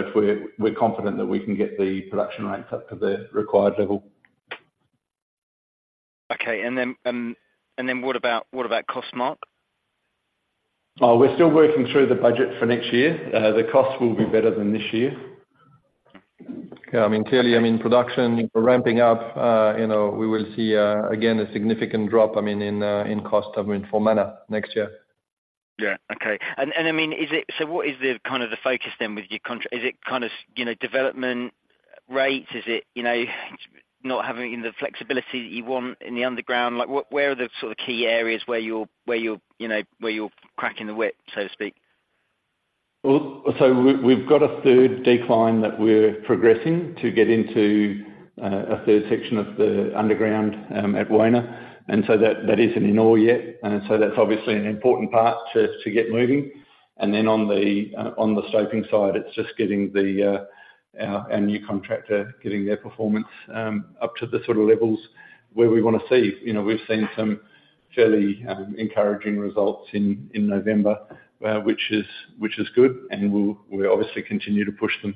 But we're confident that we can get the production rates up to the required level. Okay. And then, what about costs, Mark? We're still working through the budget for next year. The cost will be better than this year. Yeah, I mean, clearly, I mean, production ramping up, you know, we will see, again, a significant drop, I mean, in cost, I mean, for Mana next year. Yeah. Okay. And I mean, is it, so what is the kind of the focus then with your contract? Is it kind of, you know, development rates? Is it, you know, not having the flexibility that you want in the underground? Like, what, where are the sort of key areas where you're, you know, cracking the whip, so to speak? Well, so we've got a third decline that we're progressing to get into a third section of the underground at Wona, and so that isn't in all yet. So that's obviously an important part to get moving. And then on the scoping side, it's just getting our new contractor, getting their performance up to the sort of levels where we wanna see. You know, we've seen some fairly encouraging results in November, which is good, and we'll obviously continue to push them.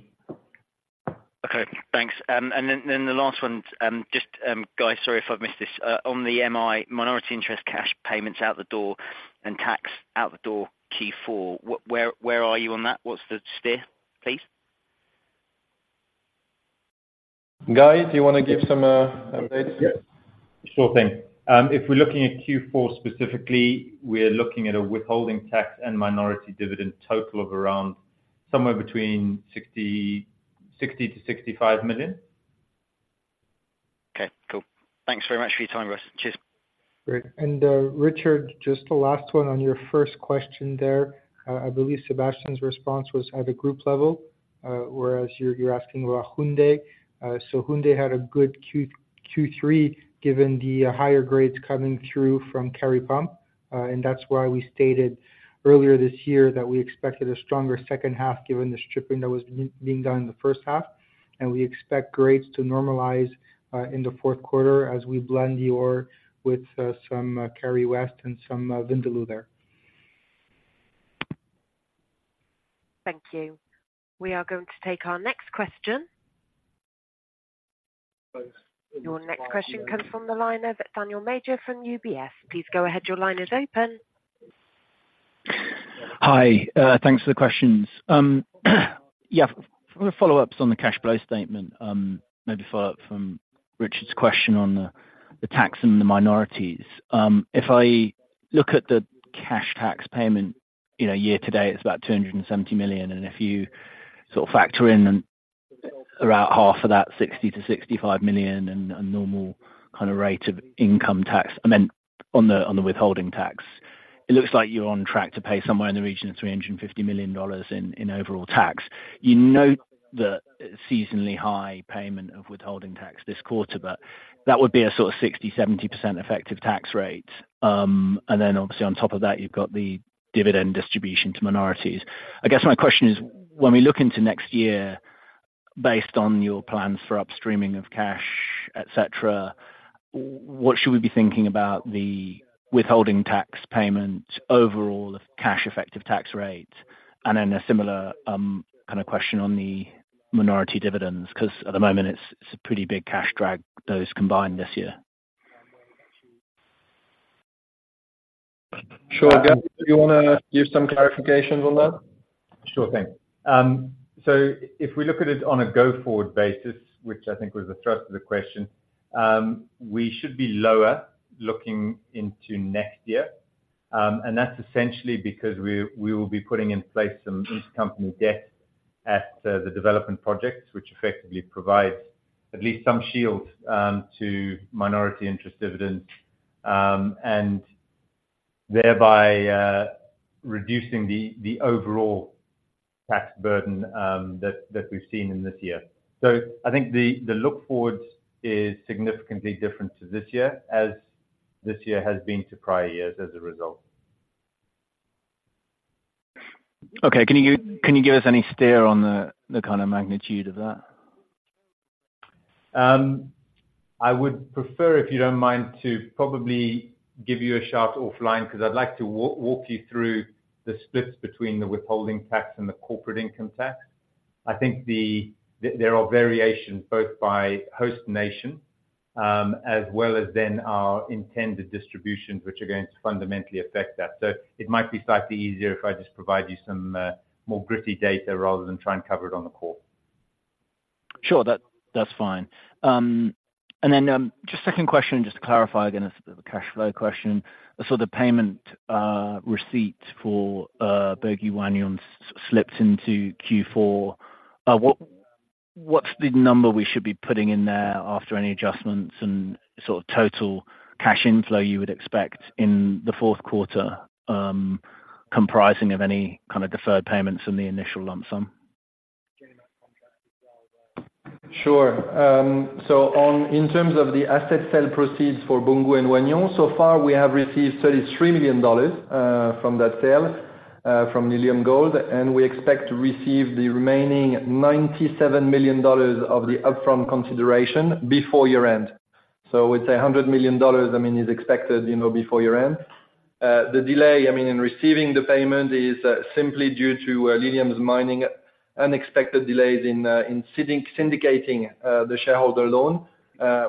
Okay, thanks. Then the last one, just guys, sorry if I've missed this. On the MI, minority interest cash payments out the door and tax out the door Q4, where are you on that? What's the steer, please? Guy, do you wanna give some updates? Yes. Sure thing. If we're looking at Q4 specifically, we're looking at a withholding tax and minority dividend total of around somewhere between $60-$65 million. Okay, cool. Thanks very much for your time, guys. Cheers. Great. And, Richard, just the last one on your first question there. I believe Sébastien's response was at a group level, whereas you're asking about Houndé. So Houndé had a good Q3, given the higher grades coming through from Kari Pump. And that's why we stated earlier this year that we expected a stronger second half given the stripping that was being done in the first half, and we expect grades to normalize in the fourth quarter as we blend the ore with some Kari West and some Vindaloo there. Thank you. We are going to take our next question. Your next question comes from the line of Daniel Major, from UBS. Please go ahead. Your line is open. Hi. Thanks for the questions. Yeah, follow-ups on the cash flow statement, maybe follow up from Richard's question on the tax and the minorities. If I look at the cash tax payment, you know, year to date, it's about $270 million, and if you sort of factor in around half of that, $60 million-$65 million and normal kind of rate of income tax, I meant on the withholding tax. It looks like you're on track to pay somewhere in the region of $350 million in overall tax. You note the seasonally high payment of withholding tax this quarter, but that would be a sort of 60%-70% effective tax rate, and then obviously on top of that, you've got the dividend distribution to minorities. I guess my question is, when we look into next year, based on your plans for upstreaming of cash, et cetera, what should we be thinking about the withholding tax payment, overall, the cash effective tax rate? And then a similar kind of question on the minority dividends, 'cause at the moment, it's a pretty big cash drag, those combined this year. Sure. Guy, do you wanna give some clarifications on that? Sure thing. So if we look at it on a go-forward basis, which I think was the thrust of the question, we should be lower looking into next year. And that's essentially because we will be putting in place some intercompany debt at the development projects, which effectively provides at least some shield to minority interest dividends, and thereby reducing the overall tax burden that we've seen in this year. So I think the look forward is significantly different to this year, as this year has been to prior years as a result. Okay. Can you give us any steer on the kind of magnitude of that? I would prefer, if you don't mind, to give you a shout offline, because I'd like to walk you through the splits between the withholding tax and the corporate income tax. I think there are variations both by host nation, as well as then our intended distributions, which are going to fundamentally affect that. So it might be slightly easier if I just provide you some more gritty data rather than try and cover it on the call. Sure, that, that's fine. And then, just second question, just to clarify again, a sort of a cash flow question. So the payment receipt for Boungou and Wahgnion slipped into Q4. What, what's the number we should be putting in there after any adjustments and sort of total cash inflow you would expect in the fourth quarter, comprising of any kind of deferred payments from the initial lump sum? Sure. So on, in terms of the asset sale proceeds for Boungou and Wahgnion, so far we have received $33 million from that sale, from Lilium Mining, and we expect to receive the remaining $97 million of the upfront consideration before year-end. So we'd say $100 million, I mean, is expected, you know, before year-end. The delay, I mean, in receiving the payment is simply due to Lilium Mining's unexpected delays in syndicating the shareholder loan,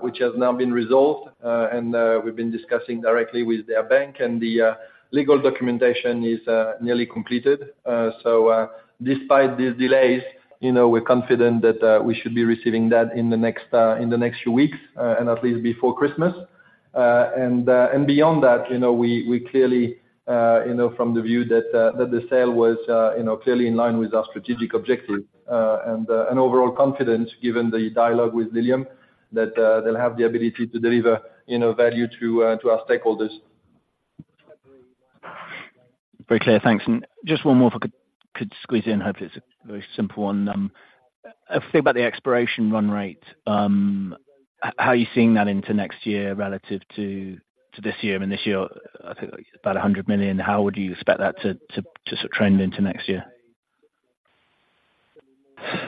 which has now been resolved. And we've been discussing directly with their bank, and the legal documentation is nearly completed. So despite these delays, you know, we're confident that we should be receiving that in the next few weeks, and at least before Christmas. And beyond that, you know, we clearly, you know, from the view that the sale was, you know, clearly in line with our strategic objective. And overall confidence, given the dialogue with Lilium, that they'll have the ability to deliver, you know, value to our stakeholders. Very clear. Thanks. And just one more, if I could, could squeeze in. Hopefully, it's a very simple one. A thing about the exploration run rate, how are you seeing that into next year relative to this year? I mean, this year, I think about $100 million. How would you expect that to sort of trend into next year?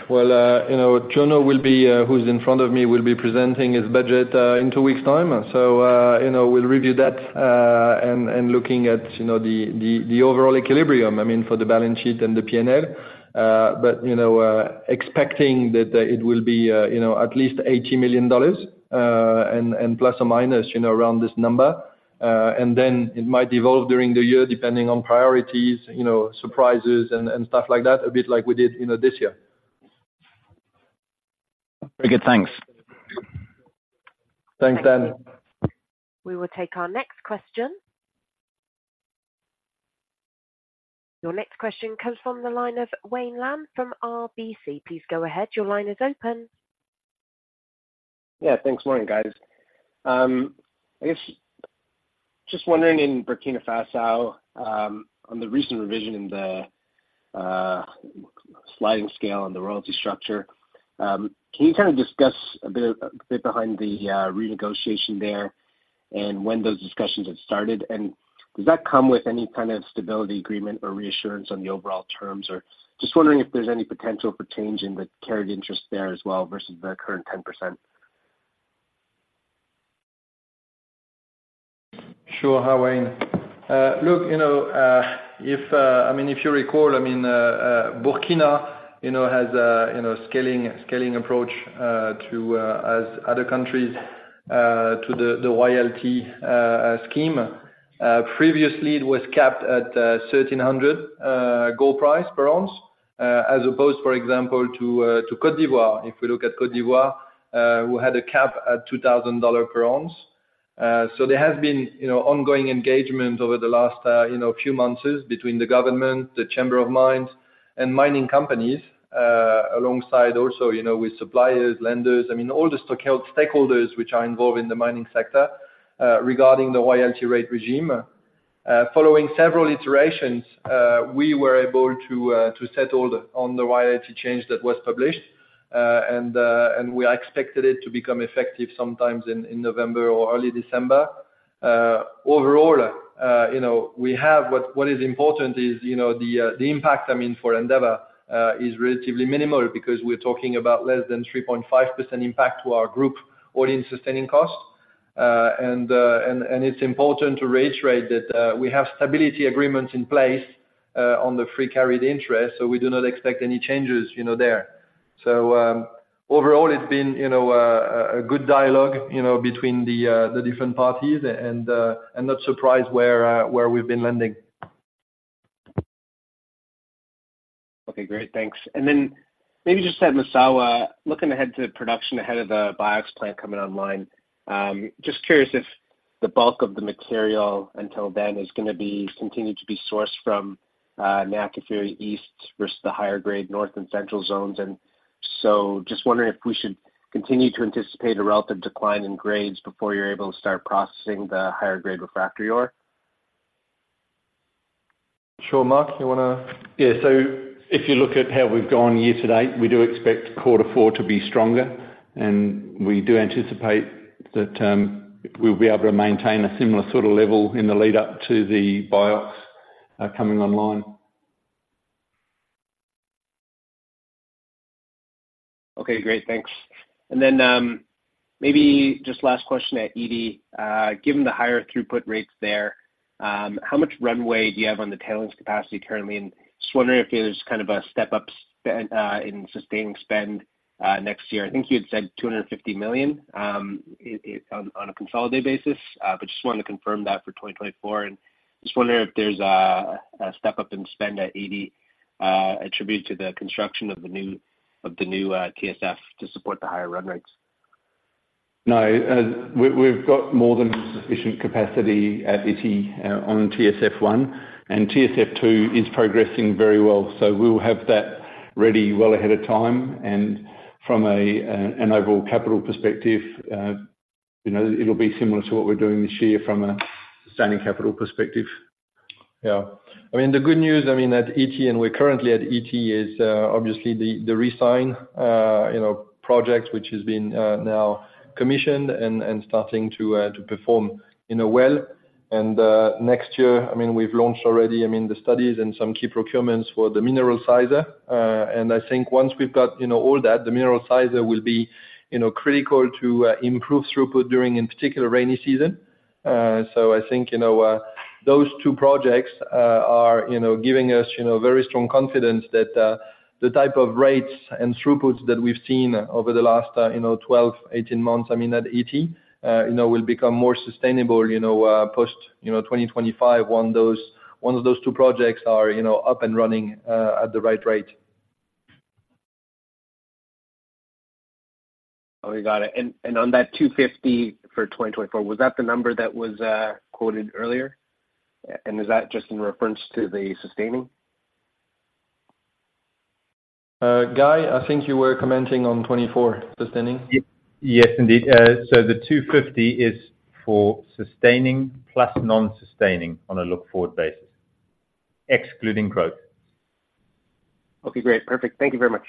Well, you know, Jono will be, who's in front of me, will be presenting his budget in two weeks time. So, you know, we'll review that, and looking at, you know, the overall equilibrium, I mean, for the balance sheet and the P&L. But, you know, expecting that it will be, you know, at least $80 million, and plus or minus, you know, around this number. And then it might evolve during the year, depending on priorities, you know, surprises and stuff like that, a bit like we did, you know, this year. Very good. Thanks. Thanks, Dan. We will take our next question. Your next question comes from the line of Wayne Lam from RBC. Please go ahead. Your line is open. Yeah, thanks. Morning, guys. I guess, just wondering in Burkina Faso, on the recent revision in the sliding scale on the royalty structure, can you kind of discuss a bit, a bit behind the renegotiation there, and when those discussions have started? And does that come with any kind of stability agreement or reassurance on the overall terms? Or just wondering if there's any potential for change in the carried interest there as well versus the current 10%. Sure. Hi, Wayne. Look, you know, if I mean, if you recall, I mean, Burkina has a scaling approach, as other countries, to the royalty scheme. Previously, it was capped at $1,300 gold price per ounce, as opposed, for example, to Côte d'Ivoire. If we look at Côte d'Ivoire, we had a cap at $2,000 per ounce. So there has been ongoing engagement over the last few months between the government, the Chamber of Mines, and mining companies, alongside also with suppliers, lenders, I mean, all the stakeholders which are involved in the mining sector, regarding the Royalty Rate regime. Following several iterations, we were able to settle on the Royalty change that was published, and we expected it to become effective sometime in November or early December. Overall, you know, what is important is, you know, the impact, I mean, for Endeavour, is relatively minimal because we're talking about less than 3.5% impact to our group all-in sustaining cost. And it's important to reiterate that we have stability agreements in place on the free carried interest, so we do not expect any changes, you know, there. So, overall, it's been, you know, a good dialogue, you know, between the different parties, and I'm not surprised where we've been landing. Okay, great. Thanks. And then maybe just at Massawa, looking ahead to production ahead of the BIOX plant coming online, just curious if the bulk of the material until then is gonna be continued to be sourced from, Niakafiri East versus the higher grade north and central zones. And so just wondering if we should continue to anticipate a relative decline in grades before you're able to start processing the higher grade refractory ore? Sure. Mark, you wanna? Yeah. So if you look at how we've gone year to date, we do expect quarter four to be stronger, and we do anticipate that, we'll be able to maintain a similar sort of level in the lead up to the BIOX coming online. Okay, great, thanks. And then, maybe just last question at Ity. Given the higher throughput rates there, how much runway do you have on the tailings capacity currently? And just wondering if there's kind of a step up in sustaining spend next year. I think you had said $250 million on a consolidated basis, but just wanted to confirm that for 2024, and just wondering if there's a step up in spend at Ity attributed to the construction of the new TSF to support the higher run rates. No, we've got more than sufficient capacity at Ity, on TSF 1, and TSF 2 is progressing very well. So we'll have that ready well ahead of time, and from an overall capital perspective, you know, it'll be similar to what we're doing this year from a standing capital perspective. Yeah. I mean, the good news, I mean, at Ity, and we're currently at Ity, is obviously the Recy, you know, project, which has been now commissioned and starting to perform, you know, well. And next year, I mean, we've launched already, I mean, the studies and some key procurements for the Mineral Sizer. And I think once we've got, you know, all that, the Mineral Sizer will be, you know, critical to improve throughput during, in particular, rainy season. So I think, you know, those two projects are, you know, giving us, you know, very strong confidence that the type of rates and throughputs that we've seen over the last, you know, 12-18 months, I mean, at Ity, you know, will become more sustainable, you know, post, you know, 2025, once those, once those two projects are, you know, up and running at the right rate. We got it. And, and on that $250 for 2024, was that the number that was, quoted earlier? And is that just in reference to the sustaining? Guy, I think you were commenting on 24 sustaining. Yes, indeed. So the $250 is for sustaining plus non-sustaining on a look-forward basis, excluding growth. Okay, great. Perfect. Thank you very much.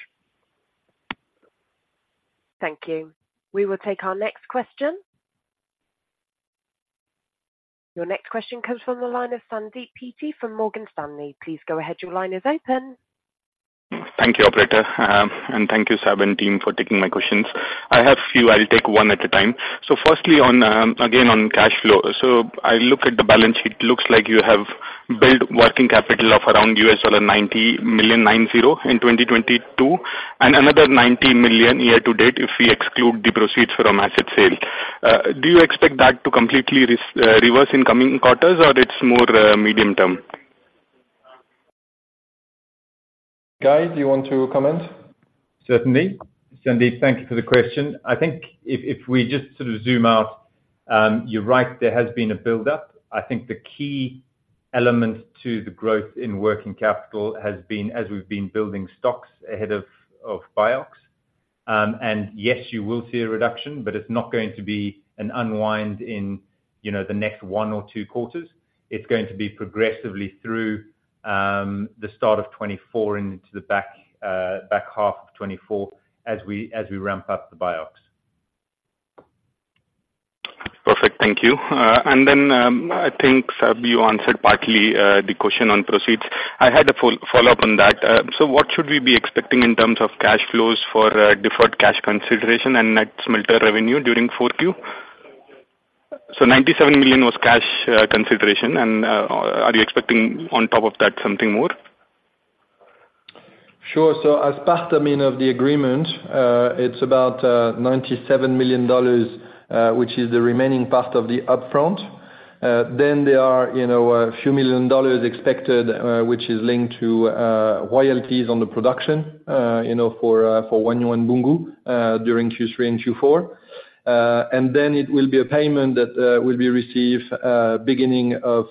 Thank you. We will take our next question. Your next question comes from the line of Sandeep Peeti from Morgan Stanley. Please go ahead. Your line is open. Thank you, operator, and thank you, Séb and team, for taking my questions. I have few, I'll take one at a time. So firstly on, again, on cash flow. So I look at the balance sheet, looks like you have built working capital of around $90 million in 2022, and another $90 million year to date, if we exclude the proceeds from asset sale. Do you expect that to completely reverse in coming quarters, or it's more medium term? Guy, do you want to comment? Certainly. Sandeep, thank you for the question. I think if, if we just sort of zoom out, you're right, there has been a buildup. I think the key element to the growth in working capital has been as we've been building stocks ahead of, of BIOX. And yes, you will see a reduction, but it's not going to be an unwind in, you know, the next one or two quarters. It's going to be progressively through the start of 2024 into the back, back half of 2024, as we, as we ramp up the BIOX. Perfect. Thank you. And then, I think, Séb, you answered partly, the question on proceeds. I had a follow-up on that. So what should we be expecting in terms of cash flows for, deferred cash consideration and net smelter revenue during Q4? So $97 million was cash consideration, and, are you expecting, on top of that, something more? Sure. So as part, I mean, of the agreement, it's about $97 million, which is the remaining part of the upfront. Then there are, you know, a few million dollars expected, which is linked to royalties on the production, you know, for Wahgnion, Boungou, during Q3 and Q4. And then it will be a payment that will be received beginning of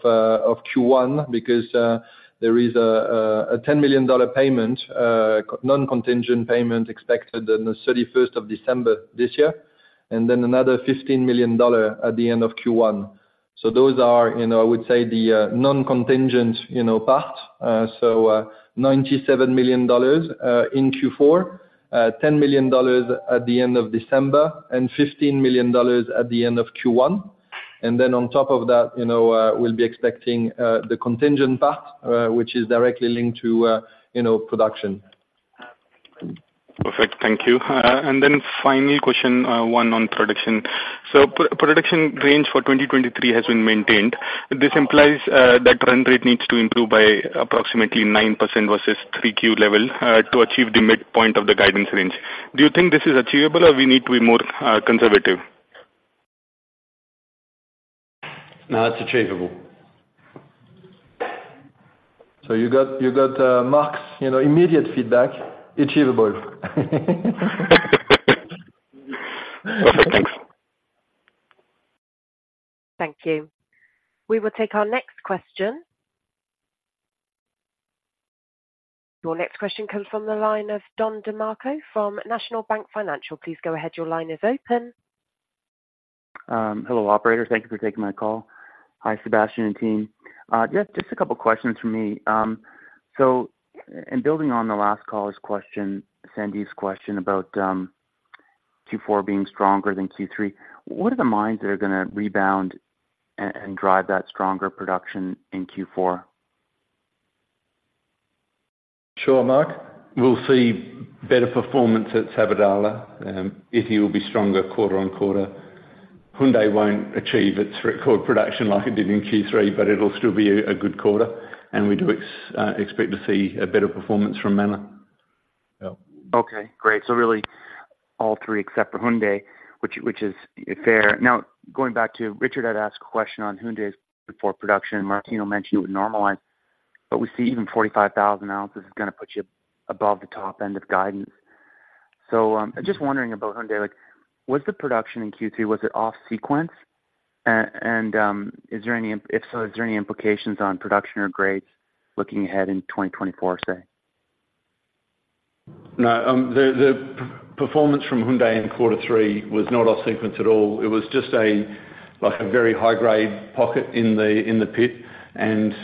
Q1, because there is a $10 million non-contingent payment expected on the 31st of December this year, and then another $15 million at the end of Q1. So those are, you know, I would say the non-contingent, you know, part. $97 million in Q4, $10 million at the end of December, and $15 million at the end of Q1. Then on top of that, you know, we'll be expecting the contingent part, which is directly linked to, you know, production. Perfect. Thank you. And then finally, question one on production. So production range for 2023 has been maintained. This implies that run rate needs to improve by approximately 9% versus 3Q level to achieve the midpoint of the guidance range. Do you think this is achievable, or we need to be more conservative? No, it's achievable. So you got Mark's, you know, immediate feedback, achievable. Perfect. Thanks. Thank you. We will take our next question. Your next question comes from the line of Don DeMarco from National Bank Financial. Please go ahead. Your line is open. Hello, operator. Thank you for taking my call. Hi, Sébastien and team. Just a couple questions from me. So in building on the last caller's question, Sandeep's question about Q4 being stronger than Q3, what are the mines that are gonna rebound and drive that stronger production in Q4? Sure, Mark, we'll see better performance at Sabodala, Ity will be stronger quarter-over-quarter. Houndé won't achieve its record production like it did in Q3, but it'll still be a good quarter, and we do expect to see a better performance from Mana. Yeah. Okay, great. So really all three, except for Houndé, which, which is fair. Now, going back to Richard, I'd asked a question on Houndé's before production. Martino mentioned it would normalize, but we see even 45,000 ounces is gonna put you above the top end of guidance. So, I'm just wondering about Houndé, like, was the production in Q3, was it off sequence? And, if so, is there any implications on production or grades looking ahead in 2024, say? No, the performance from Houndé in quarter three was not off sequence at all. It was just a, like, a very high grade pocket in the pit. And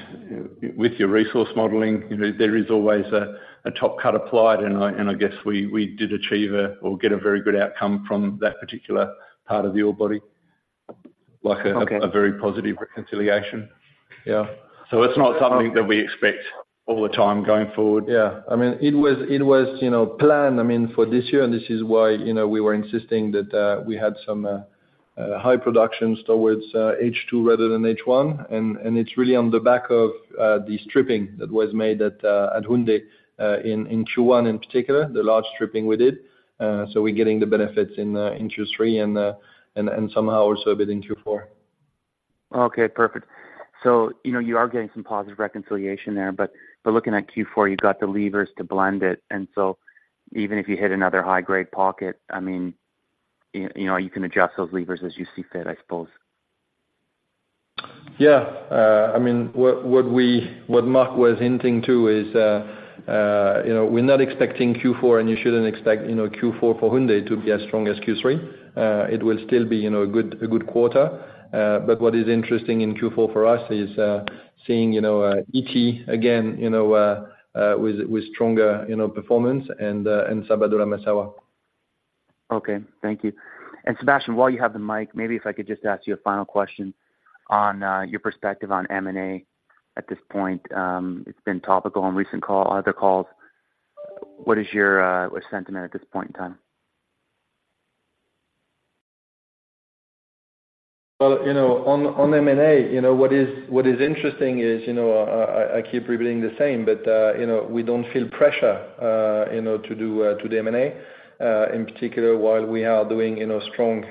with your resource modeling, you know, there is always a top cut applied, and I guess we did achieve a or get a very good outcome from that particular part of the ore body. Like, a very positive reconciliation. Yeah. So it's not something that we expect all the time going forward. Yeah. I mean, it was, it was, you know, planned, I mean, for this year, and this is why, you know, we were insisting that, we had some, high production towards, H2 rather than H1, and, and it's really on the back of, the stripping that was made at, at Houndé, in, in Q1, in particular, the large stripping we did. So we're getting the benefits in, in Q3 and, and, and somehow also a bit in Q4. Okay, perfect. So, you know, you are getting some positive reconciliation there, but looking at Q4, you've got the levers to blend it, and so even if you hit another high-grade pocket, I mean, you know, you can adjust those levers as you see fit, I suppose. Yeah. I mean, what we—what Mark was hinting to is, you know, we're not expecting Q4, and you shouldn't expect, you know, Q4 for Houndé to be as strong as Q3. It will still be, you know, a good quarter. But what is interesting in Q4 for us is seeing, you know, Ity again, you know, with stronger, you know, performance and Sabodala-Massawa. Okay, thank you. And Sébastien, while you have the mic, maybe if I could just ask you a final question on your perspective on M&A at this point. It's been topical on recent call, other calls. What is your, what's sentiment at this point in time? Well, you know, on M&A, you know, what is interesting is, you know, I keep revealing the same, but, you know, we don't feel pressure, you know, to do the M&A. In particular, while we are doing, you know, strong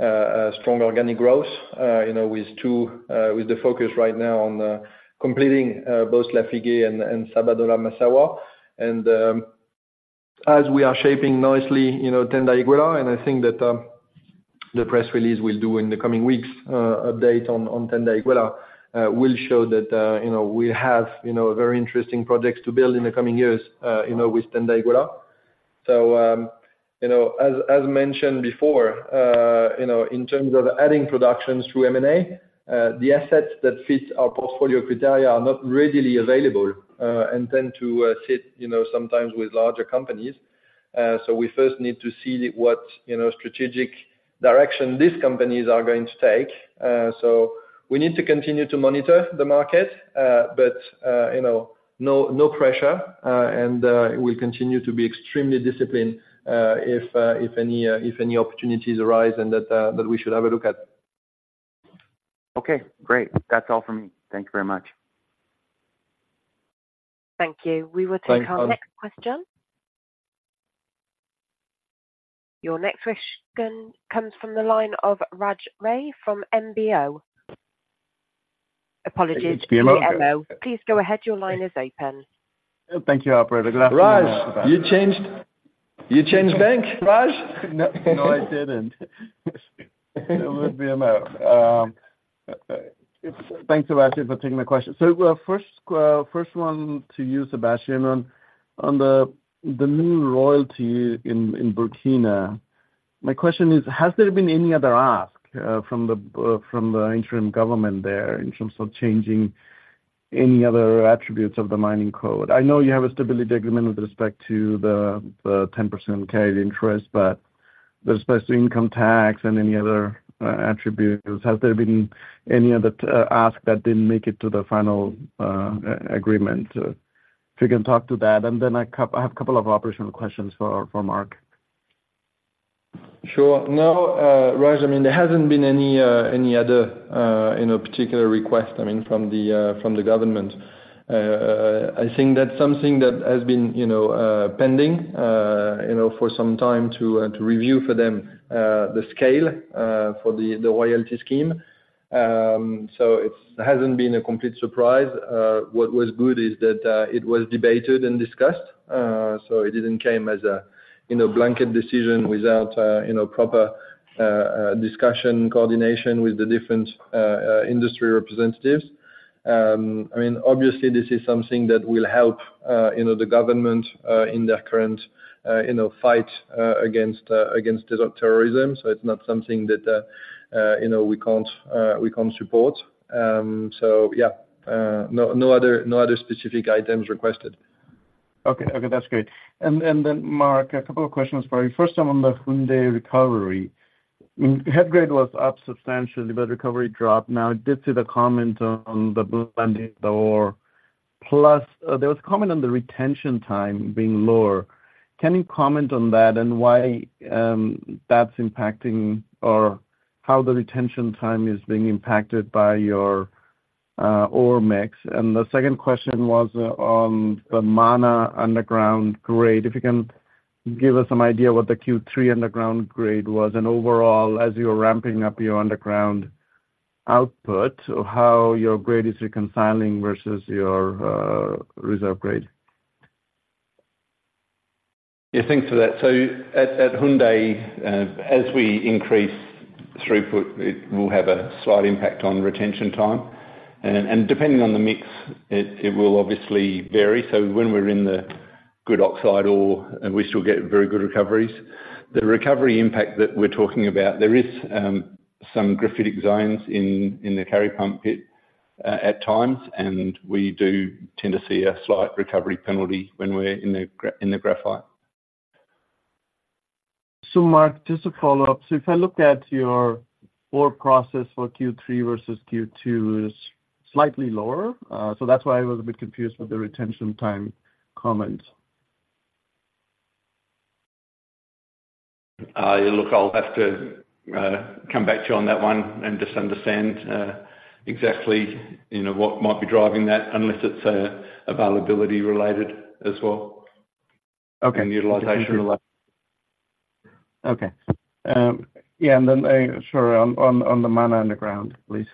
organic growth, you know, with the focus right now on completing both Lafigué and Sabodala-Massawa. As we are shaping nicely, you know, Tanda-Iguela, and I think that the press release we'll do in the coming weeks, update on Tanda-Iguela, will show that, you know, we have, you know, very interesting projects to build in the coming years, you know, with Tanda-Iguela. So, you know, as, as mentioned before, you know, in terms of adding productions through M&A, the assets that fit our portfolio criteria are not readily available, and tend to, sit, you know, sometimes with larger companies. So we first need to see what, you know, strategic direction these companies are going to take. So we need to continue to monitor the market, but, you know, no, no pressure, and, we'll continue to be extremely disciplined, if, if any, if any opportunities arise and that, that we should have a look at. Okay, great. That's all for me. Thank you very much. Thank you. Thank you. We will take our next question. Your next question comes from the line of Raj Ray from BMO. Apologies, BMO. Please go ahead. Your line is open. Thank you, operator. Good afternoon- Raj, you changed bank, Raj? No, no, I didn't. It was BMO. Thanks, Sébastien, for taking my question. So, well, first, first one to you, Sébastien, on the new royalty in Burkina. My question is, has there been any other ask from the interim government there in terms of changing any other attributes of the mining code? I know you have a stability agreement with respect to the 10% carried interest, but with respect to income tax and any other attributes, has there been any other ask that didn't make it to the final agreement? If you can talk to that, and then I have a couple of operational questions for Mark. Sure. No, Raj, I mean, there hasn't been any any other you know particular request, I mean, from the from the government. I think that's something that has been you know pending you know for some time to to review for them the scale for the the royalty scheme. So it's hasn't been a complete surprise. What was good is that it was debated and discussed so it didn't came as a you know blanket decision without you know proper discussion coordination with the different industry representatives. I mean, obviously, this is something that will help you know the government in their current you know fight against against terrorism. So it's not something that you know we can't we can't support. So yeah, no, no other specific items requested. Okay, okay, that's great. And then, Mark, a couple of questions for you. First, on the Houndé recovery. Head grade was up substantially, but recovery dropped. Now, I did see the comment on the blending ore, plus there was a comment on the retention time being lower. Can you comment on that and why that's impacting, or how the retention time is being impacted by your ore mix? And the second question was on the Mana underground grade. If you can give us some idea what the Q3 underground grade was, and overall, as you're ramping up your underground output, how your grade is reconciling versus your reserve grade. Yeah, thanks for that. So at Houndé, as we increase throughput, it will have a slight impact on retention time. And depending on the mix, it will obviously vary. So when we're in the good oxide ore, we still get very good recoveries. The recovery impact that we're talking about, there is some graphitic zones in the Kari Pump pit at times, and we do tend to see a slight recovery penalty when we're in the graphite. So, Mark, just to follow up. So if I look at your ore process for Q3 versus Q2 is slightly lower, so that's why I was a bit confused with the retention time comment. Look, I'll have to come back to you on that one and just understand exactly, you know, what might be driving that, unless it's availability related as well. Okay. Utilization related. Okay. Yeah, and then, sorry, on the Mana underground, please.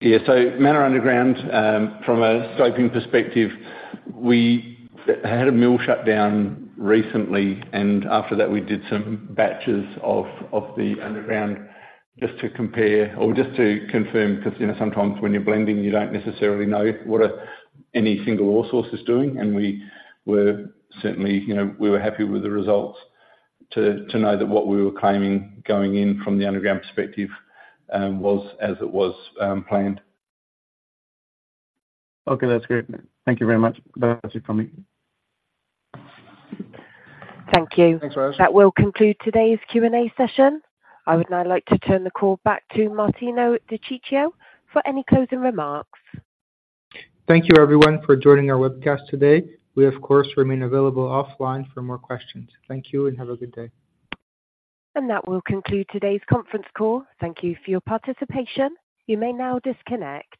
Yeah. Mana underground, from a scoping perspective, we had a mill shutdown recently, and after that, we did some batches of, of the underground just to compare or just to confirm, 'cause, you know, sometimes when you're blending, you don't necessarily know what a, any single ore source is doing. And we were certainly, you know, we were happy with the results to, to know that what we were claiming going in from the underground perspective, was as it was, planned. Okay, that's great. Thank you very much. That's it for me. Thank you. Thanks, Rose. That will conclude today's Q&A session. I would now like to turn the call back to Martino De Ciccio for any closing remarks. Thank you, everyone, for joining our webcast today. We, of course, remain available offline for more questions. Thank you and have a good day. That will conclude today's conference call. Thank you for your participation. You may now disconnect.